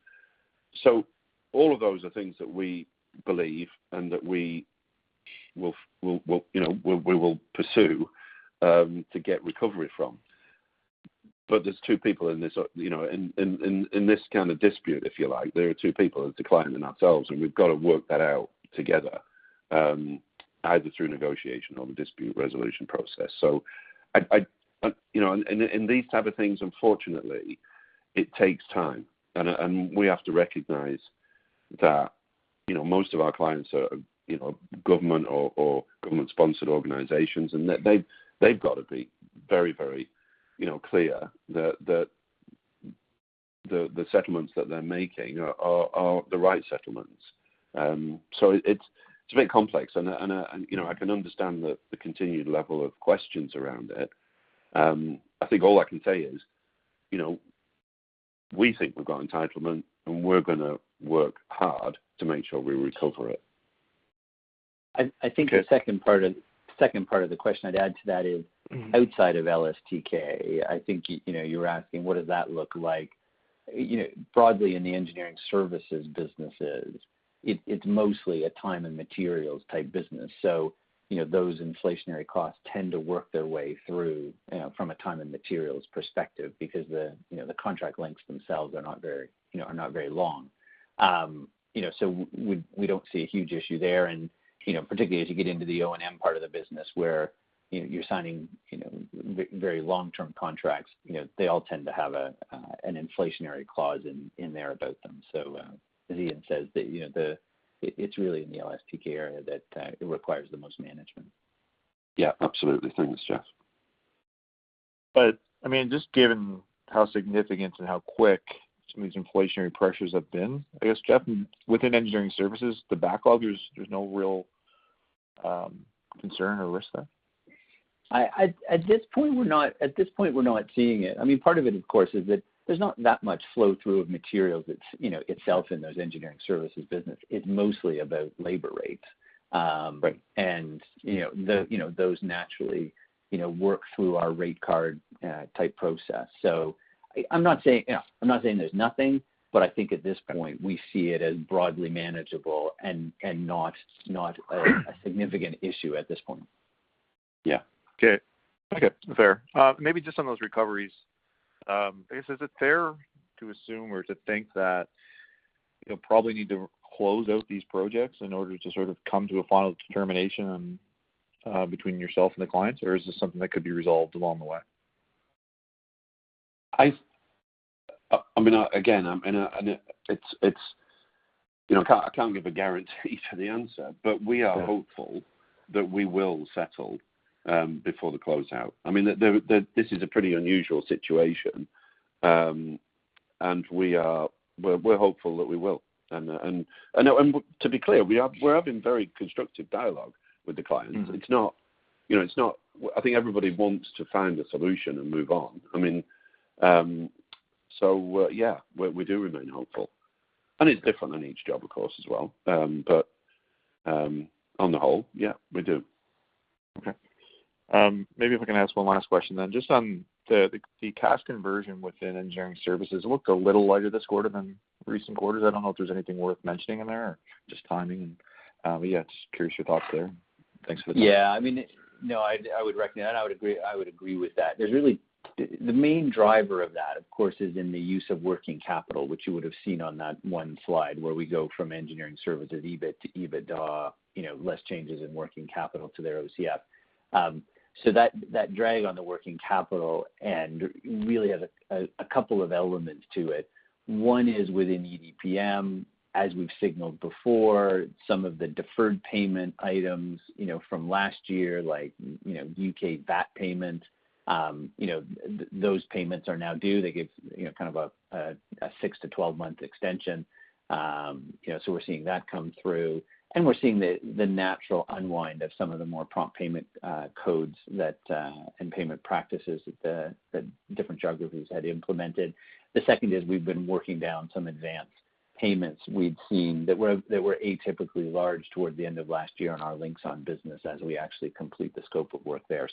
All of those are things that we believe and that we will pursue to get recovery from. There are two people in this kind of dispute, if you like, the client and ourselves, and we've got to work that out together, either through negotiation or the dispute resolution process. You know, these type of things, unfortunately, it takes time. We have to recognize that most of our clients are government or government-sponsored organizations, and they've got to be very clear that the settlements that they're making are the right settlements. It's a bit complex. You know, I can understand the continued level of questions around it. I think all I can say is, you know, we think we've got entitlement, and we're gonna work hard to make sure we recover it. I think the second part of the question I'd add to that is. Mm-hmm. Outside of LSTK, I think you know you were asking what does that look like? You know broadly in the engineering services businesses it is mostly a time and materials type business. You know those inflationary costs tend to work their way through you know from a time and materials perspective because the contract lengths themselves are not very long. You know we don't see a huge issue there. You know particularly as you get into the O&M part of the business where you know you are signing very long-term contracts you know they all tend to have an inflationary clause in there about them. As Ian says that you know it is really in the LSTK area that it requires the most management. Yeah, absolutely. Thanks, Jeff. I mean, just given how significant and how quick some of these inflationary pressures have been, I guess, Jeff, within engineering services, the backlog, there's no real concern or risk there? At this point, we're not seeing it. I mean, part of it, of course, is that there's not that much flow through of materials. It's, you know, itself in those engineering services business. It's mostly about labor rates. Right. You know, the you know those naturally you know work through our rate card type process. I'm not saying, you know, I'm not saying there's nothing, but I think at this point, we see it as broadly manageable and not a significant issue at this point. Yeah. Okay. Fair. Maybe just on those recoveries, I guess, is it fair to assume or to think that you'll probably need to close out these projects in order to sort of come to a final determination, between yourself and the clients, or is this something that could be resolved along the way? I mean, again, you know, I can't give a guarantee for the answer, but we are hopeful that we will settle before the closeout. I mean, this is a pretty unusual situation, and we're hopeful that we will. To be clear, we're having very constructive dialogue with the clients. Mm-hmm. It's not, you know, I think everybody wants to find a solution and move on. I mean, so, yeah, we do remain hopeful. It's different on each job, of course, as well. On the whole, yeah, we do. Okay. Maybe if I can ask one last question then. Just on the cash conversion within engineering services looked a little lighter this quarter than recent quarters. I don't know if there's anything worth mentioning in there or just timing and, but yeah, just curious your thoughts there. Thanks for the time. Yeah. I mean, no, I'd reckon that. I would agree with that. The main driver of that, of course, is in the use of working capital, which you would have seen on that one slide where we go from engineering services, EBIT to EBITDA, you know, less changes in working capital to their OCF. That drag on the working capital really has a couple of elements to it. One is within EDPM, as we've signaled before, some of the deferred payment items, you know, from last year, like, you know, U.K. VAT payment, those payments are now due. They give, you know, kind of a six to 12-month extension. We're seeing that come through. We're seeing the natural unwind of some of the more prompt payment codes and payment practices that the different geographies had implemented. The second is we've been working down some advanced payments we'd seen that were atypically large toward the end of last year on our Linxon business as we actually complete the scope of work there.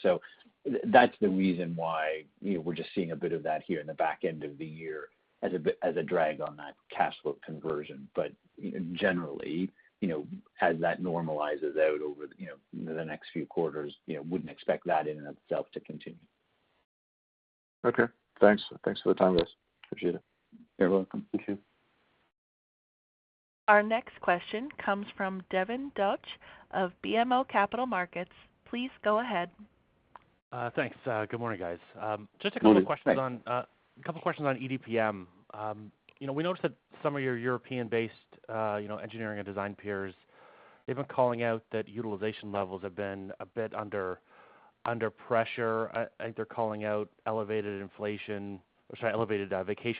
That's the reason why, you know, we're just seeing a bit of that here in the back end of the year as a drag on that cash flow conversion. Generally, you know, as that normalizes out over, you know, the next few quarters, you know, wouldn't expect that in and of itself to continue. Okay. Thanks. Thanks for the time, guys. Appreciate it. You're welcome. Thank you. Our next question comes from Devin Dodge of BMO Capital Markets. Please go ahead. Thanks. Good morning, guys. Just a couple of questions on Good morning. Thanks. A couple of questions on ED&PM. You know, we noticed that some of your European-based, you know, engineering and design peers, they've been calling out that utilization levels have been a bit under pressure. I think they're calling out elevated vacation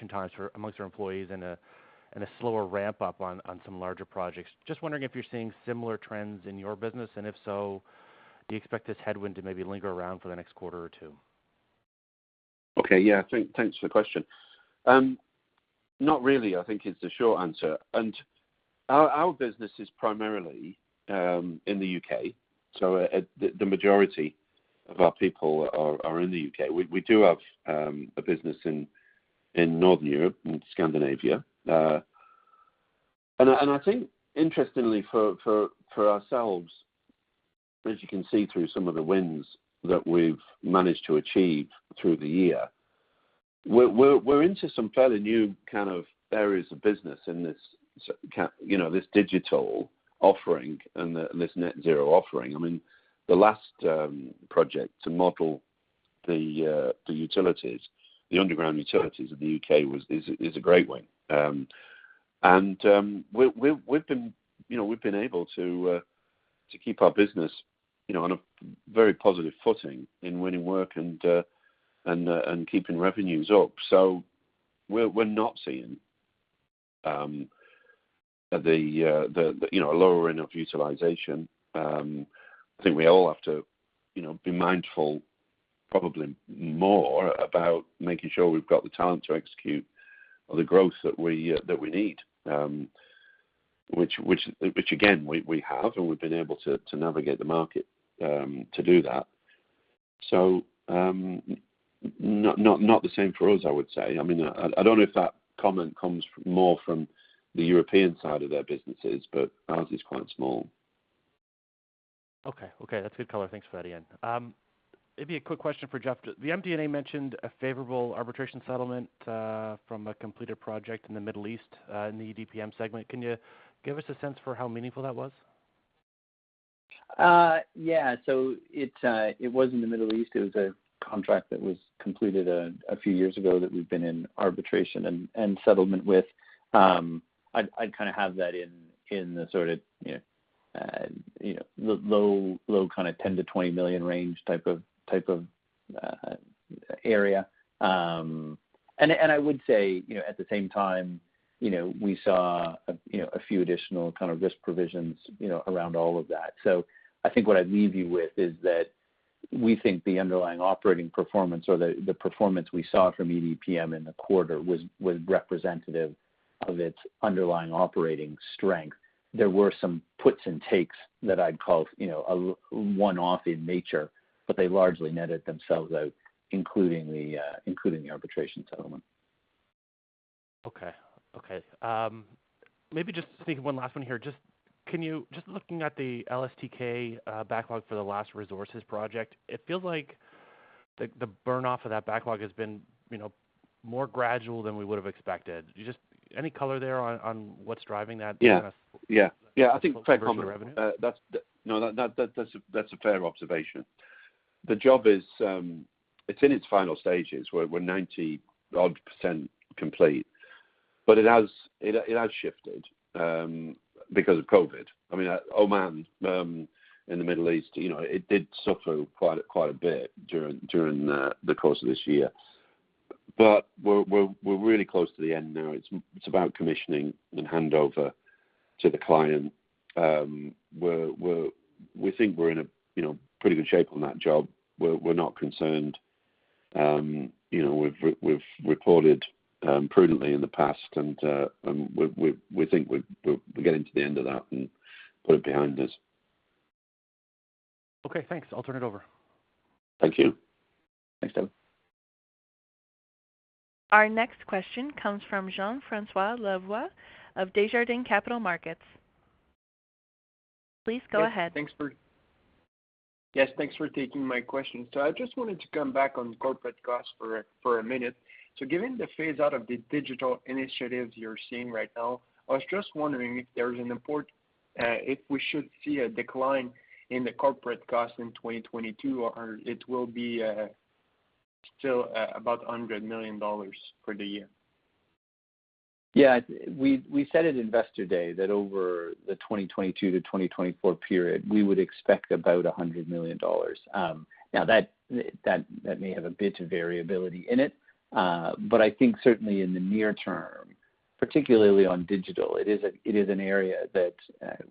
times among their employees and a slower ramp-up on some larger projects. Just wondering if you're seeing similar trends in your business, and if so, do you expect this headwind to maybe linger around for the next quarter or two? Okay. Yeah, thanks for the question. Not really, I think is the short answer. Our business is primarily in the U.K., so the majority of our people are in the U.K. We do have a business in Northern Europe and Scandinavia. I think interestingly for ourselves, as you can see through some of the wins that we've managed to achieve through the year, we're into some fairly new kind of areas of business in this you know, this digital offering and this net zero offering. I mean, the last project to model the utilities, the underground utilities of the U.K. is a great win. We've been able to keep our business, you know, on a very positive footing in winning work and keeping revenues up. We're not seeing a lowering of utilization. I think we all have to be mindful probably more about making sure we've got the talent to execute the growth that we need, which again, we have and we've been able to navigate the market to do that. Not the same for us, I would say. I mean, I don't know if that comment comes more from the European side of their businesses, but ours is quite small. Okay. Okay, that's good color. Thanks for that, Ian. Maybe a quick question for Jeff. The MD&A mentioned a favorable arbitration settlement from a completed project in the Middle East in the EDPM segment. Can you give us a sense for how meaningful that was? It was in the Middle East. It was a contract that was completed a few years ago that we've been in arbitration and settlement with. I'd kind of have that in the sort of, you know, low kind of 10 million-20 million range type of area. I would say, you know, at the same time, you know, we saw a few additional kind of risk provisions, you know, around all of that. I think what I'd leave you with is that we think the underlying operating performance or the performance we saw from EDPM in the quarter was representative of its underlying operating strength. There were some puts and takes that I'd call, you know, one-off in nature, but they largely netted themselves out, including the arbitration settlement. Okay. Maybe just to sneak in one last one here. Just looking at the LSTK backlog for the Last Resources project, it feels like the burn off of that backlog has been, you know, more gradual than we would have expected. Any color there on what's driving that? Yeah. In terms of revenue? That's a fair observation. The job is in its final stages. We're 90-odd% complete, but it has shifted because of COVID. I mean, Oman in the Middle East, you know, it did suffer quite a bit during the course of this year. But we're really close to the end now. It's about commissioning and handover to the client. We think we're in a you know pretty good shape on that job. We're not concerned. You know, we've reported prudently in the past and we think we're getting to the end of that and put it behind us. Okay, thanks. I'll turn it over. Thank you. Thanks, Devin. Our next question comes from Jean-François Lavoie of Desjardins Capital Markets. Please go ahead. Yes, thanks for taking my question. I just wanted to come back on corporate costs for a minute. Given the phase out of the digital initiatives you're seeing right now, I was just wondering if we should see a decline in the corporate costs in 2022, or it will still be about 100 million dollars for the year. Yeah. We said at Investor Day that over the 2022-2024 period, we would expect about 100 million dollars. Now that may have a bit of variability in it. But I think certainly in the near term, particularly on digital, it is an area that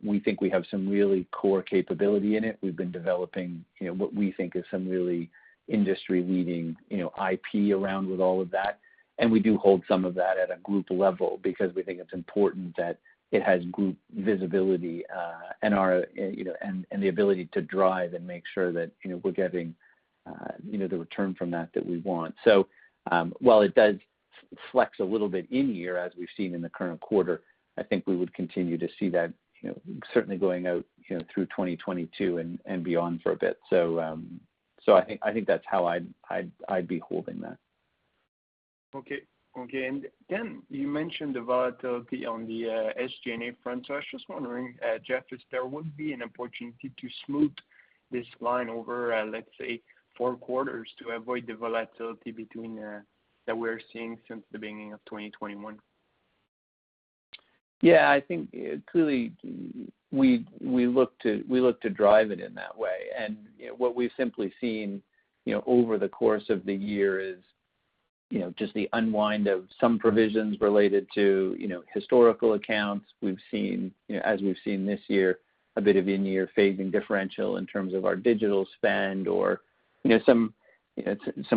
we think we have some really core capability in it. We've been developing, you know, what we think is some really industry-leading, you know, IP around with all of that. We do hold some of that at a group level because we think it's important that it has group visibility, and the ability to drive and make sure that, you know, we're getting the return from that that we want. While it does flex a little bit in year as we've seen in the current quarter, I think we would continue to see that, you know, certainly going out, you know, through 2022 and beyond for a bit. I think that's how I'd be holding that. You mentioned the volatility on the SG&A front. I was just wondering, Jeff, if there would be an opportunity to smooth this line over, let's say four quarters to avoid the volatility between that we're seeing since the beginning of 2021. Yeah, I think clearly we look to drive it in that way. You know, what we've simply seen, you know, over the course of the year is, you know, just the unwind of some provisions related to, you know, historical accounts we've seen, as we've seen this year, a bit of in-year phasing differential in terms of our digital spend or, you know, some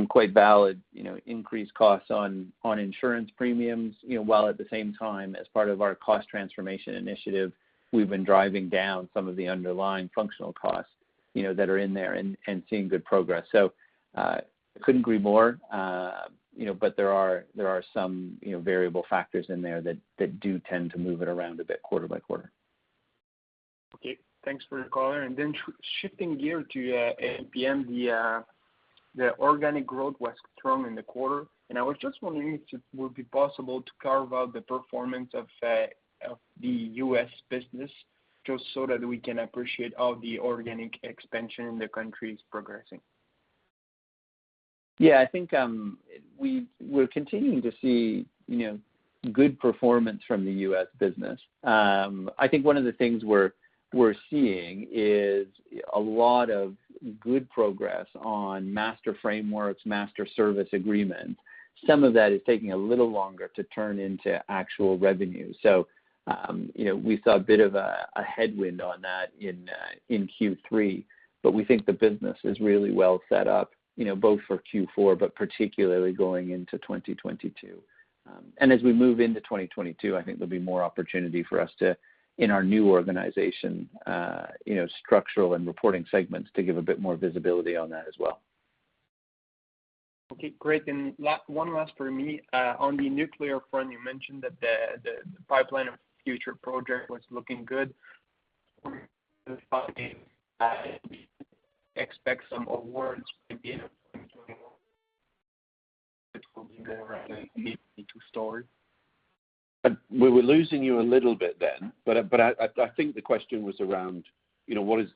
quite valid, you know, increased costs on insurance premiums. You know, while at the same time, as part of our cost transformation initiative, we've been driving down some of the underlying functional costs, you know, that are in there and seeing good progress. Couldn't agree more. You know, there are some, you know, variable factors in there that do tend to move it around a bit quarter by quarter. Okay, thanks for the color. Shifting gear to EDPM, the organic growth was strong in the quarter. I was just wondering if it would be possible to carve out the performance of the U.S. business, just so that we can appreciate how the organic expansion in the country is progressing. I think we're continuing to see, you know, good performance from the U.S. business. I think one of the things we're seeing is a lot of good progress on master frameworks, master service agreements. Some of that is taking a little longer to turn into actual revenue. You know, we saw a bit of a headwind on that in Q3, but we think the business is really well set up, you know, both for Q4, but particularly going into 2022. As we move into 2022, I think there'll be more opportunity for us to, in our new organization, you know, structural and reporting segments to give a bit more visibility on that as well. Okay, great. One last for me. On the nuclear front, you mentioned that the pipeline of future project was looking good. Expect some awards maybe in store. We were losing you a little bit then, but I think the question was around, you know, when is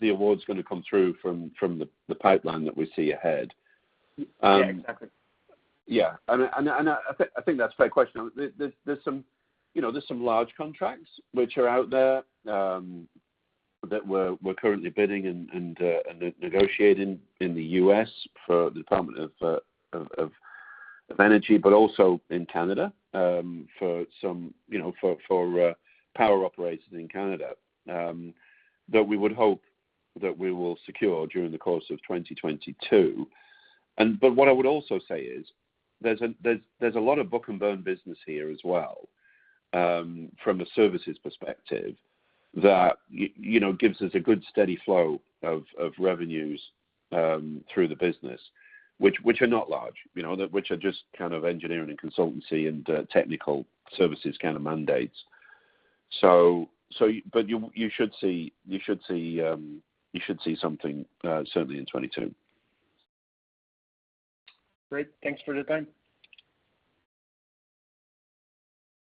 the awards gonna come through from the pipeline that we see ahead? Yeah, exactly. Yeah, I think that's a fair question. There's some large contracts which are out there that we're currently bidding and negotiating in the U.S. for Department of Energy, but also in Canada for some power operators in Canada that we would hope that we will secure during the course of 2022. What I would also say is there's a lot of book-and-bill business here as well from a services perspective that you know gives us a good steady flow of revenues through the business, which are not large, you know, which are just kind of engineering and consultancy and technical services kind of mandates. You should see something certainly in 2022. Great. Thanks for the time.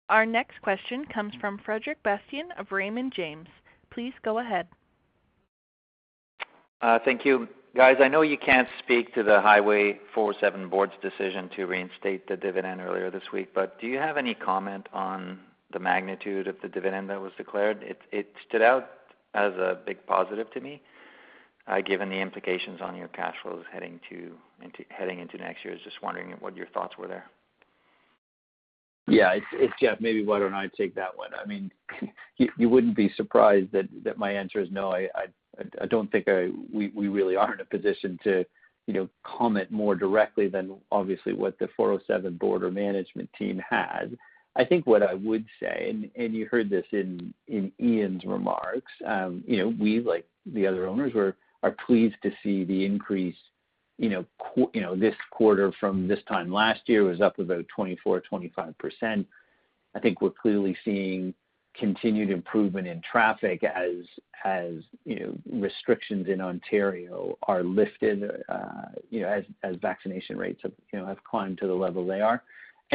Our next question comes from Frederic Bastien of Raymond James. Please go ahead. Thank you. Guys, I know you can't speak to the Highway 407 board's decision to reinstate the dividend earlier this week, but do you have any comment on the magnitude of the dividend that was declared? It stood out as a big positive to me, given the implications on your cash flows heading into next year. I was just wondering what your thoughts were there. Yeah. It's. Yeah, maybe why don't I take that one? I mean, you wouldn't be surprised that my answer is no. I don't think we really are in a position to, you know, comment more directly than obviously what the 407 board or management team has. I think what I would say, and you heard this in Ian's remarks, you know, we, like the other owners, are pleased to see the increase, you know, this quarter from this time last year was up about 24%-25%. I think we're clearly seeing continued improvement in traffic as, you know, restrictions in Ontario are lifted, you know, as vaccination rates have, you know, have climbed to the level they are.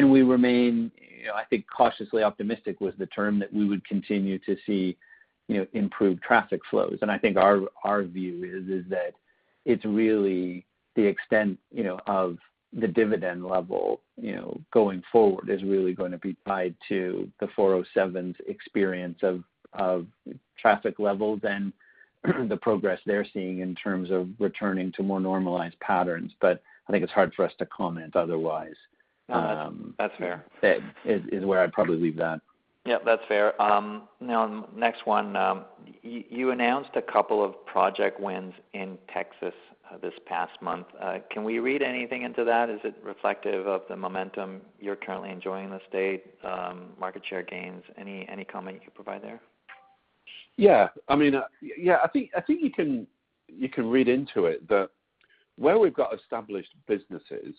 We remain, you know, I think cautiously optimistic was the term that we would continue to see, you know, improved traffic flows. I think our view is that it's really the extent, you know, of the dividend level, you know, going forward, is really gonna be tied to the 407's experience of traffic levels and the progress they're seeing in terms of returning to more normalized patterns. I think it's hard for us to comment otherwise. No, that's fair. That is where I'd probably leave that. Yeah, that's fair. Now next one. You announced a couple of project wins in Texas, this past month. Can we read anything into that? Is it reflective of the momentum you're currently enjoying in the state, market share gains? Any comment you could provide there? I think you can read into it that where we've got established businesses,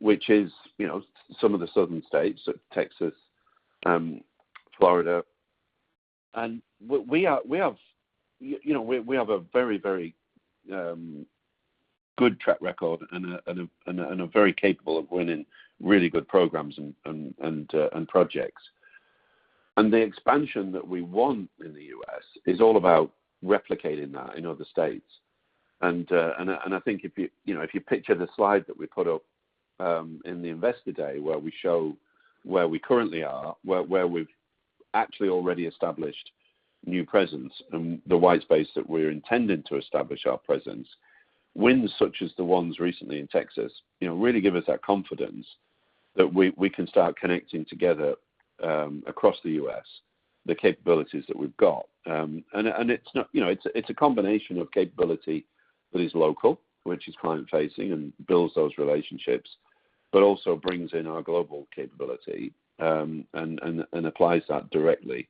which is, you know, some of the Southern states, so Texas, Florida. We have, you know, a very good track record and are very capable of winning really good programs and projects. The expansion that we want in the U.S. is all about replicating that in other states. I think, you know, if you picture the slide that we put up in the Investor Day where we show where we currently are, where we've actually already established new presence in the white space that we're intending to establish our presence. Wins such as the ones recently in Texas, you know, really give us that confidence that we can start connecting together across the U.S., the capabilities that we've got. You know, it's a combination of capability that is local, which is client-facing and builds those relationships, but also brings in our global capability, and applies that directly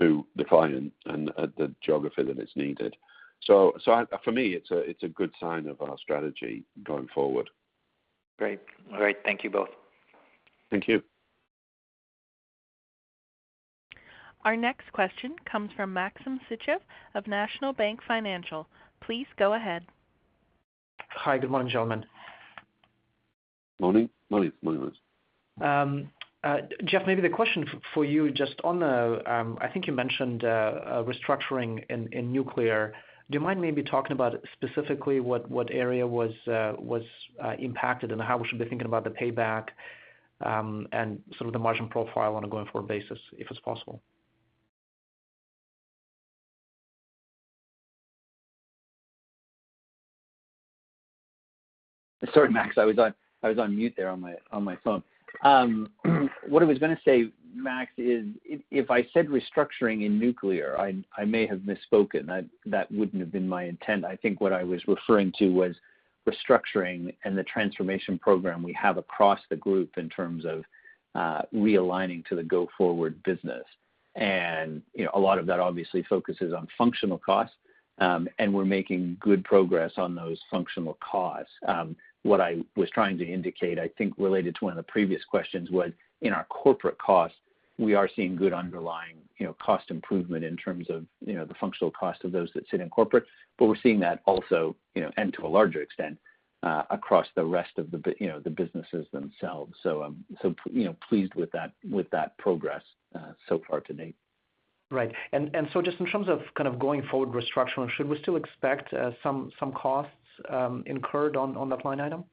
to the client and the geography that is needed. For me, it's a good sign of our strategy going forward. Great. All right. Thank you both. Thank you. Our next question comes from Maxim Sytchev of National Bank Financial. Please go ahead. Hi. Good morning, gentlemen. Morning, Max. Jeff, maybe the question for you just on the. I think you mentioned restructuring in nuclear. Do you mind maybe talking about specifically what area was impacted and how we should be thinking about the payback, and sort of the margin profile on a going-forward basis, if it's possible? Sorry, Max. I was on mute there on my phone. What I was gonna say, Max, is if I said restructuring in nuclear, I may have misspoken. That wouldn't have been my intent. I think what I was referring to was restructuring and the transformation program we have across the group in terms of realigning to the go-forward business. You know, a lot of that obviously focuses on functional costs, and we're making good progress on those functional costs. What I was trying to indicate, I think related to one of the previous questions, was in our corporate costs we are seeing good underlying, you know, cost improvement in terms of, you know, the functional cost of those that sit in corporate. We're seeing that also, you know, and to a larger extent, across the rest of you know, the businesses themselves. You know, pleased with that, with that progress, so far to date. Right. Just in terms of kind of going forward with structural, should we still expect some costs incurred on that line item?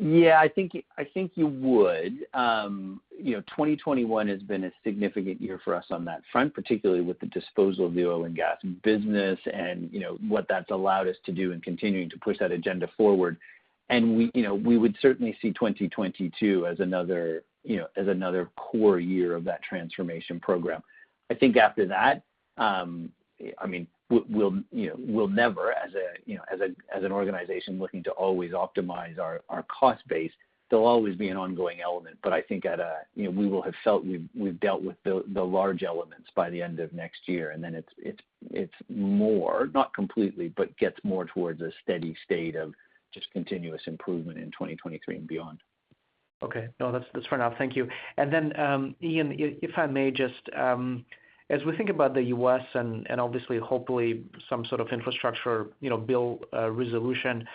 Yeah, I think you would. You know, 2021 has been a significant year for us on that front, particularly with the disposal of the oil and gas business and, you know, what that's allowed us to do in continuing to push that agenda forward. We, you know, would certainly see 2022 as another core year of that transformation program. I think after that, I mean, we'll, you know, never, as an organization, looking to always optimize our cost base. There'll always be an ongoing element. I think at a, you know, we will have felt we've dealt with the large elements by the end of next year, and then it's more, not completely, but gets more towards a steady state of just continuous improvement in 2023 and beyond. Okay. No, that's fair enough. Thank you. Ian, if I may just, as we think about the U.S. and obviously hopefully some sort of infrastructure, you know, bill, resolution,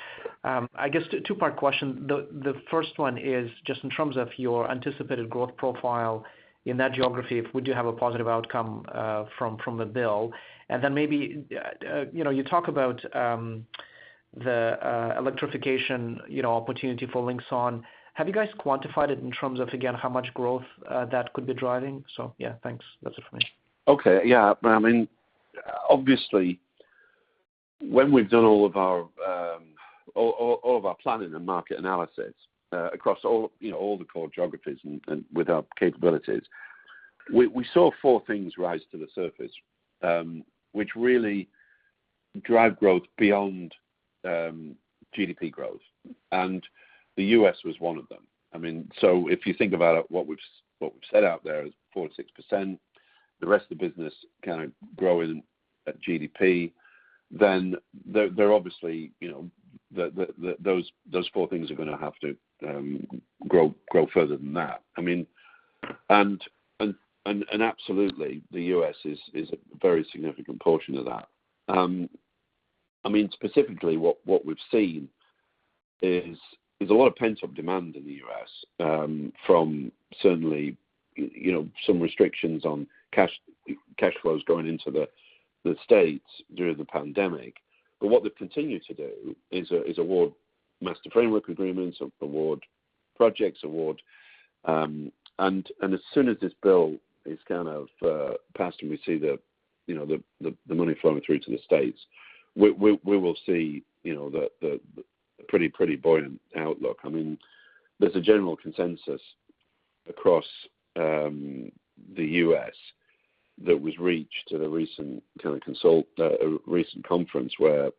I guess two-part question. The first one is just in terms of your anticipated growth profile in that geography, if we do have a positive outcome from the bill. Maybe, you know, you talk about the electrification, you know, opportunity for Linxon. Have you guys quantified it in terms of, again, how much growth that could be driving? Yeah, thanks. That's it for me. Okay. Yeah. I mean, obviously when we've done all of our planning and market analysis, across all the core geographies and with our capabilities, we saw four things rise to the surface, which really drive growth beyond GDP growth. The U.S. was one of them. I mean, if you think about it, what we've set out there is 4%-6%. The rest of the business kind of growing at GDP. There are obviously, you know, those four things are gonna have to grow further than that. I mean, absolutely, the U.S. is a very significant portion of that. I mean, specifically what we've seen is there's a lot of pent-up demand in the U.S., from certainly, you know, some restrictions on cash flows going into the States during the pandemic. What they continue to do is award master framework agreements, award projects, award. As soon as this bill is kind of passed and we see the, you know, the money flowing through to the States, we will see, you know, the pretty buoyant outlook. I mean, there's a general consensus across the U.S. that was reached at a recent conference where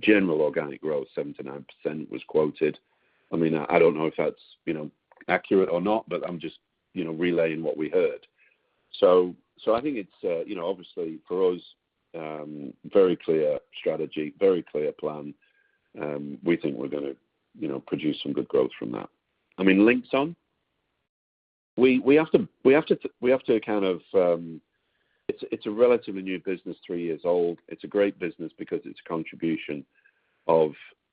general organic growth 7%-9% was quoted. I mean, I don't know if that's, you know, accurate or not, but I'm just, you know, relaying what we heard. I think it's, you know, obviously for us, very clear strategy, very clear plan. We think we're gonna, you know, produce some good growth from that. I mean, Linxon, we have to kind of, it's a relatively new business, three years old. It's a great business because its contribution of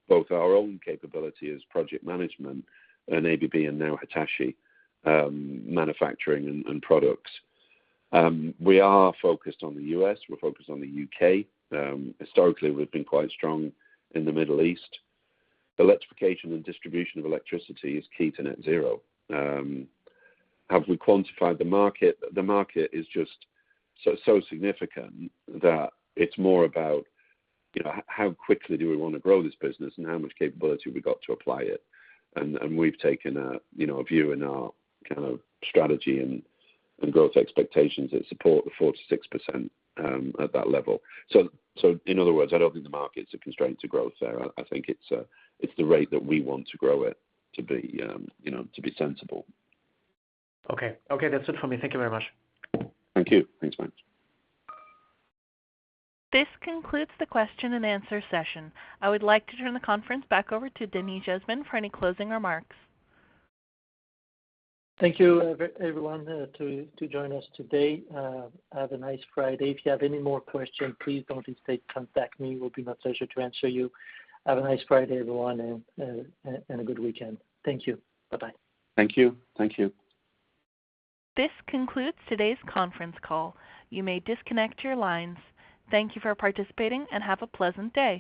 both our own capability as project management and ABB and now Hitachi, manufacturing and products. We are focused on the U.S. We're focused on the U.K. Historically, we've been quite strong in the Middle East. Electrification and distribution of electricity is key to net zero. Have we quantified the market? The market is just so significant that it's more about, you know, how quickly do we wanna grow this business and how much capability we've got to apply it. We've taken a view in our kind of strategy and growth expectations that support the 4%-6% at that level. In other words, I don't think the market's a constraint to growth there. I think it's the rate that we want to grow it to be, you know, to be sensible. Okay. Okay, that's it for me. Thank you very much. Thank you. Thanks, Max. This concludes the question and answer session. I would like to turn the conference back over to Denis Jasmin for any closing remarks. Thank you, everyone, for joining us today. Have a nice Friday. If you have any more questions, please don't hesitate to contact me. It will be my pleasure to answer you. Have a nice Friday, everyone, and a good weekend. Thank you. Bye-bye. Thank you. Thank you. This concludes today's conference call. You may disconnect your lines. Thank you for participating, and have a pleasant day.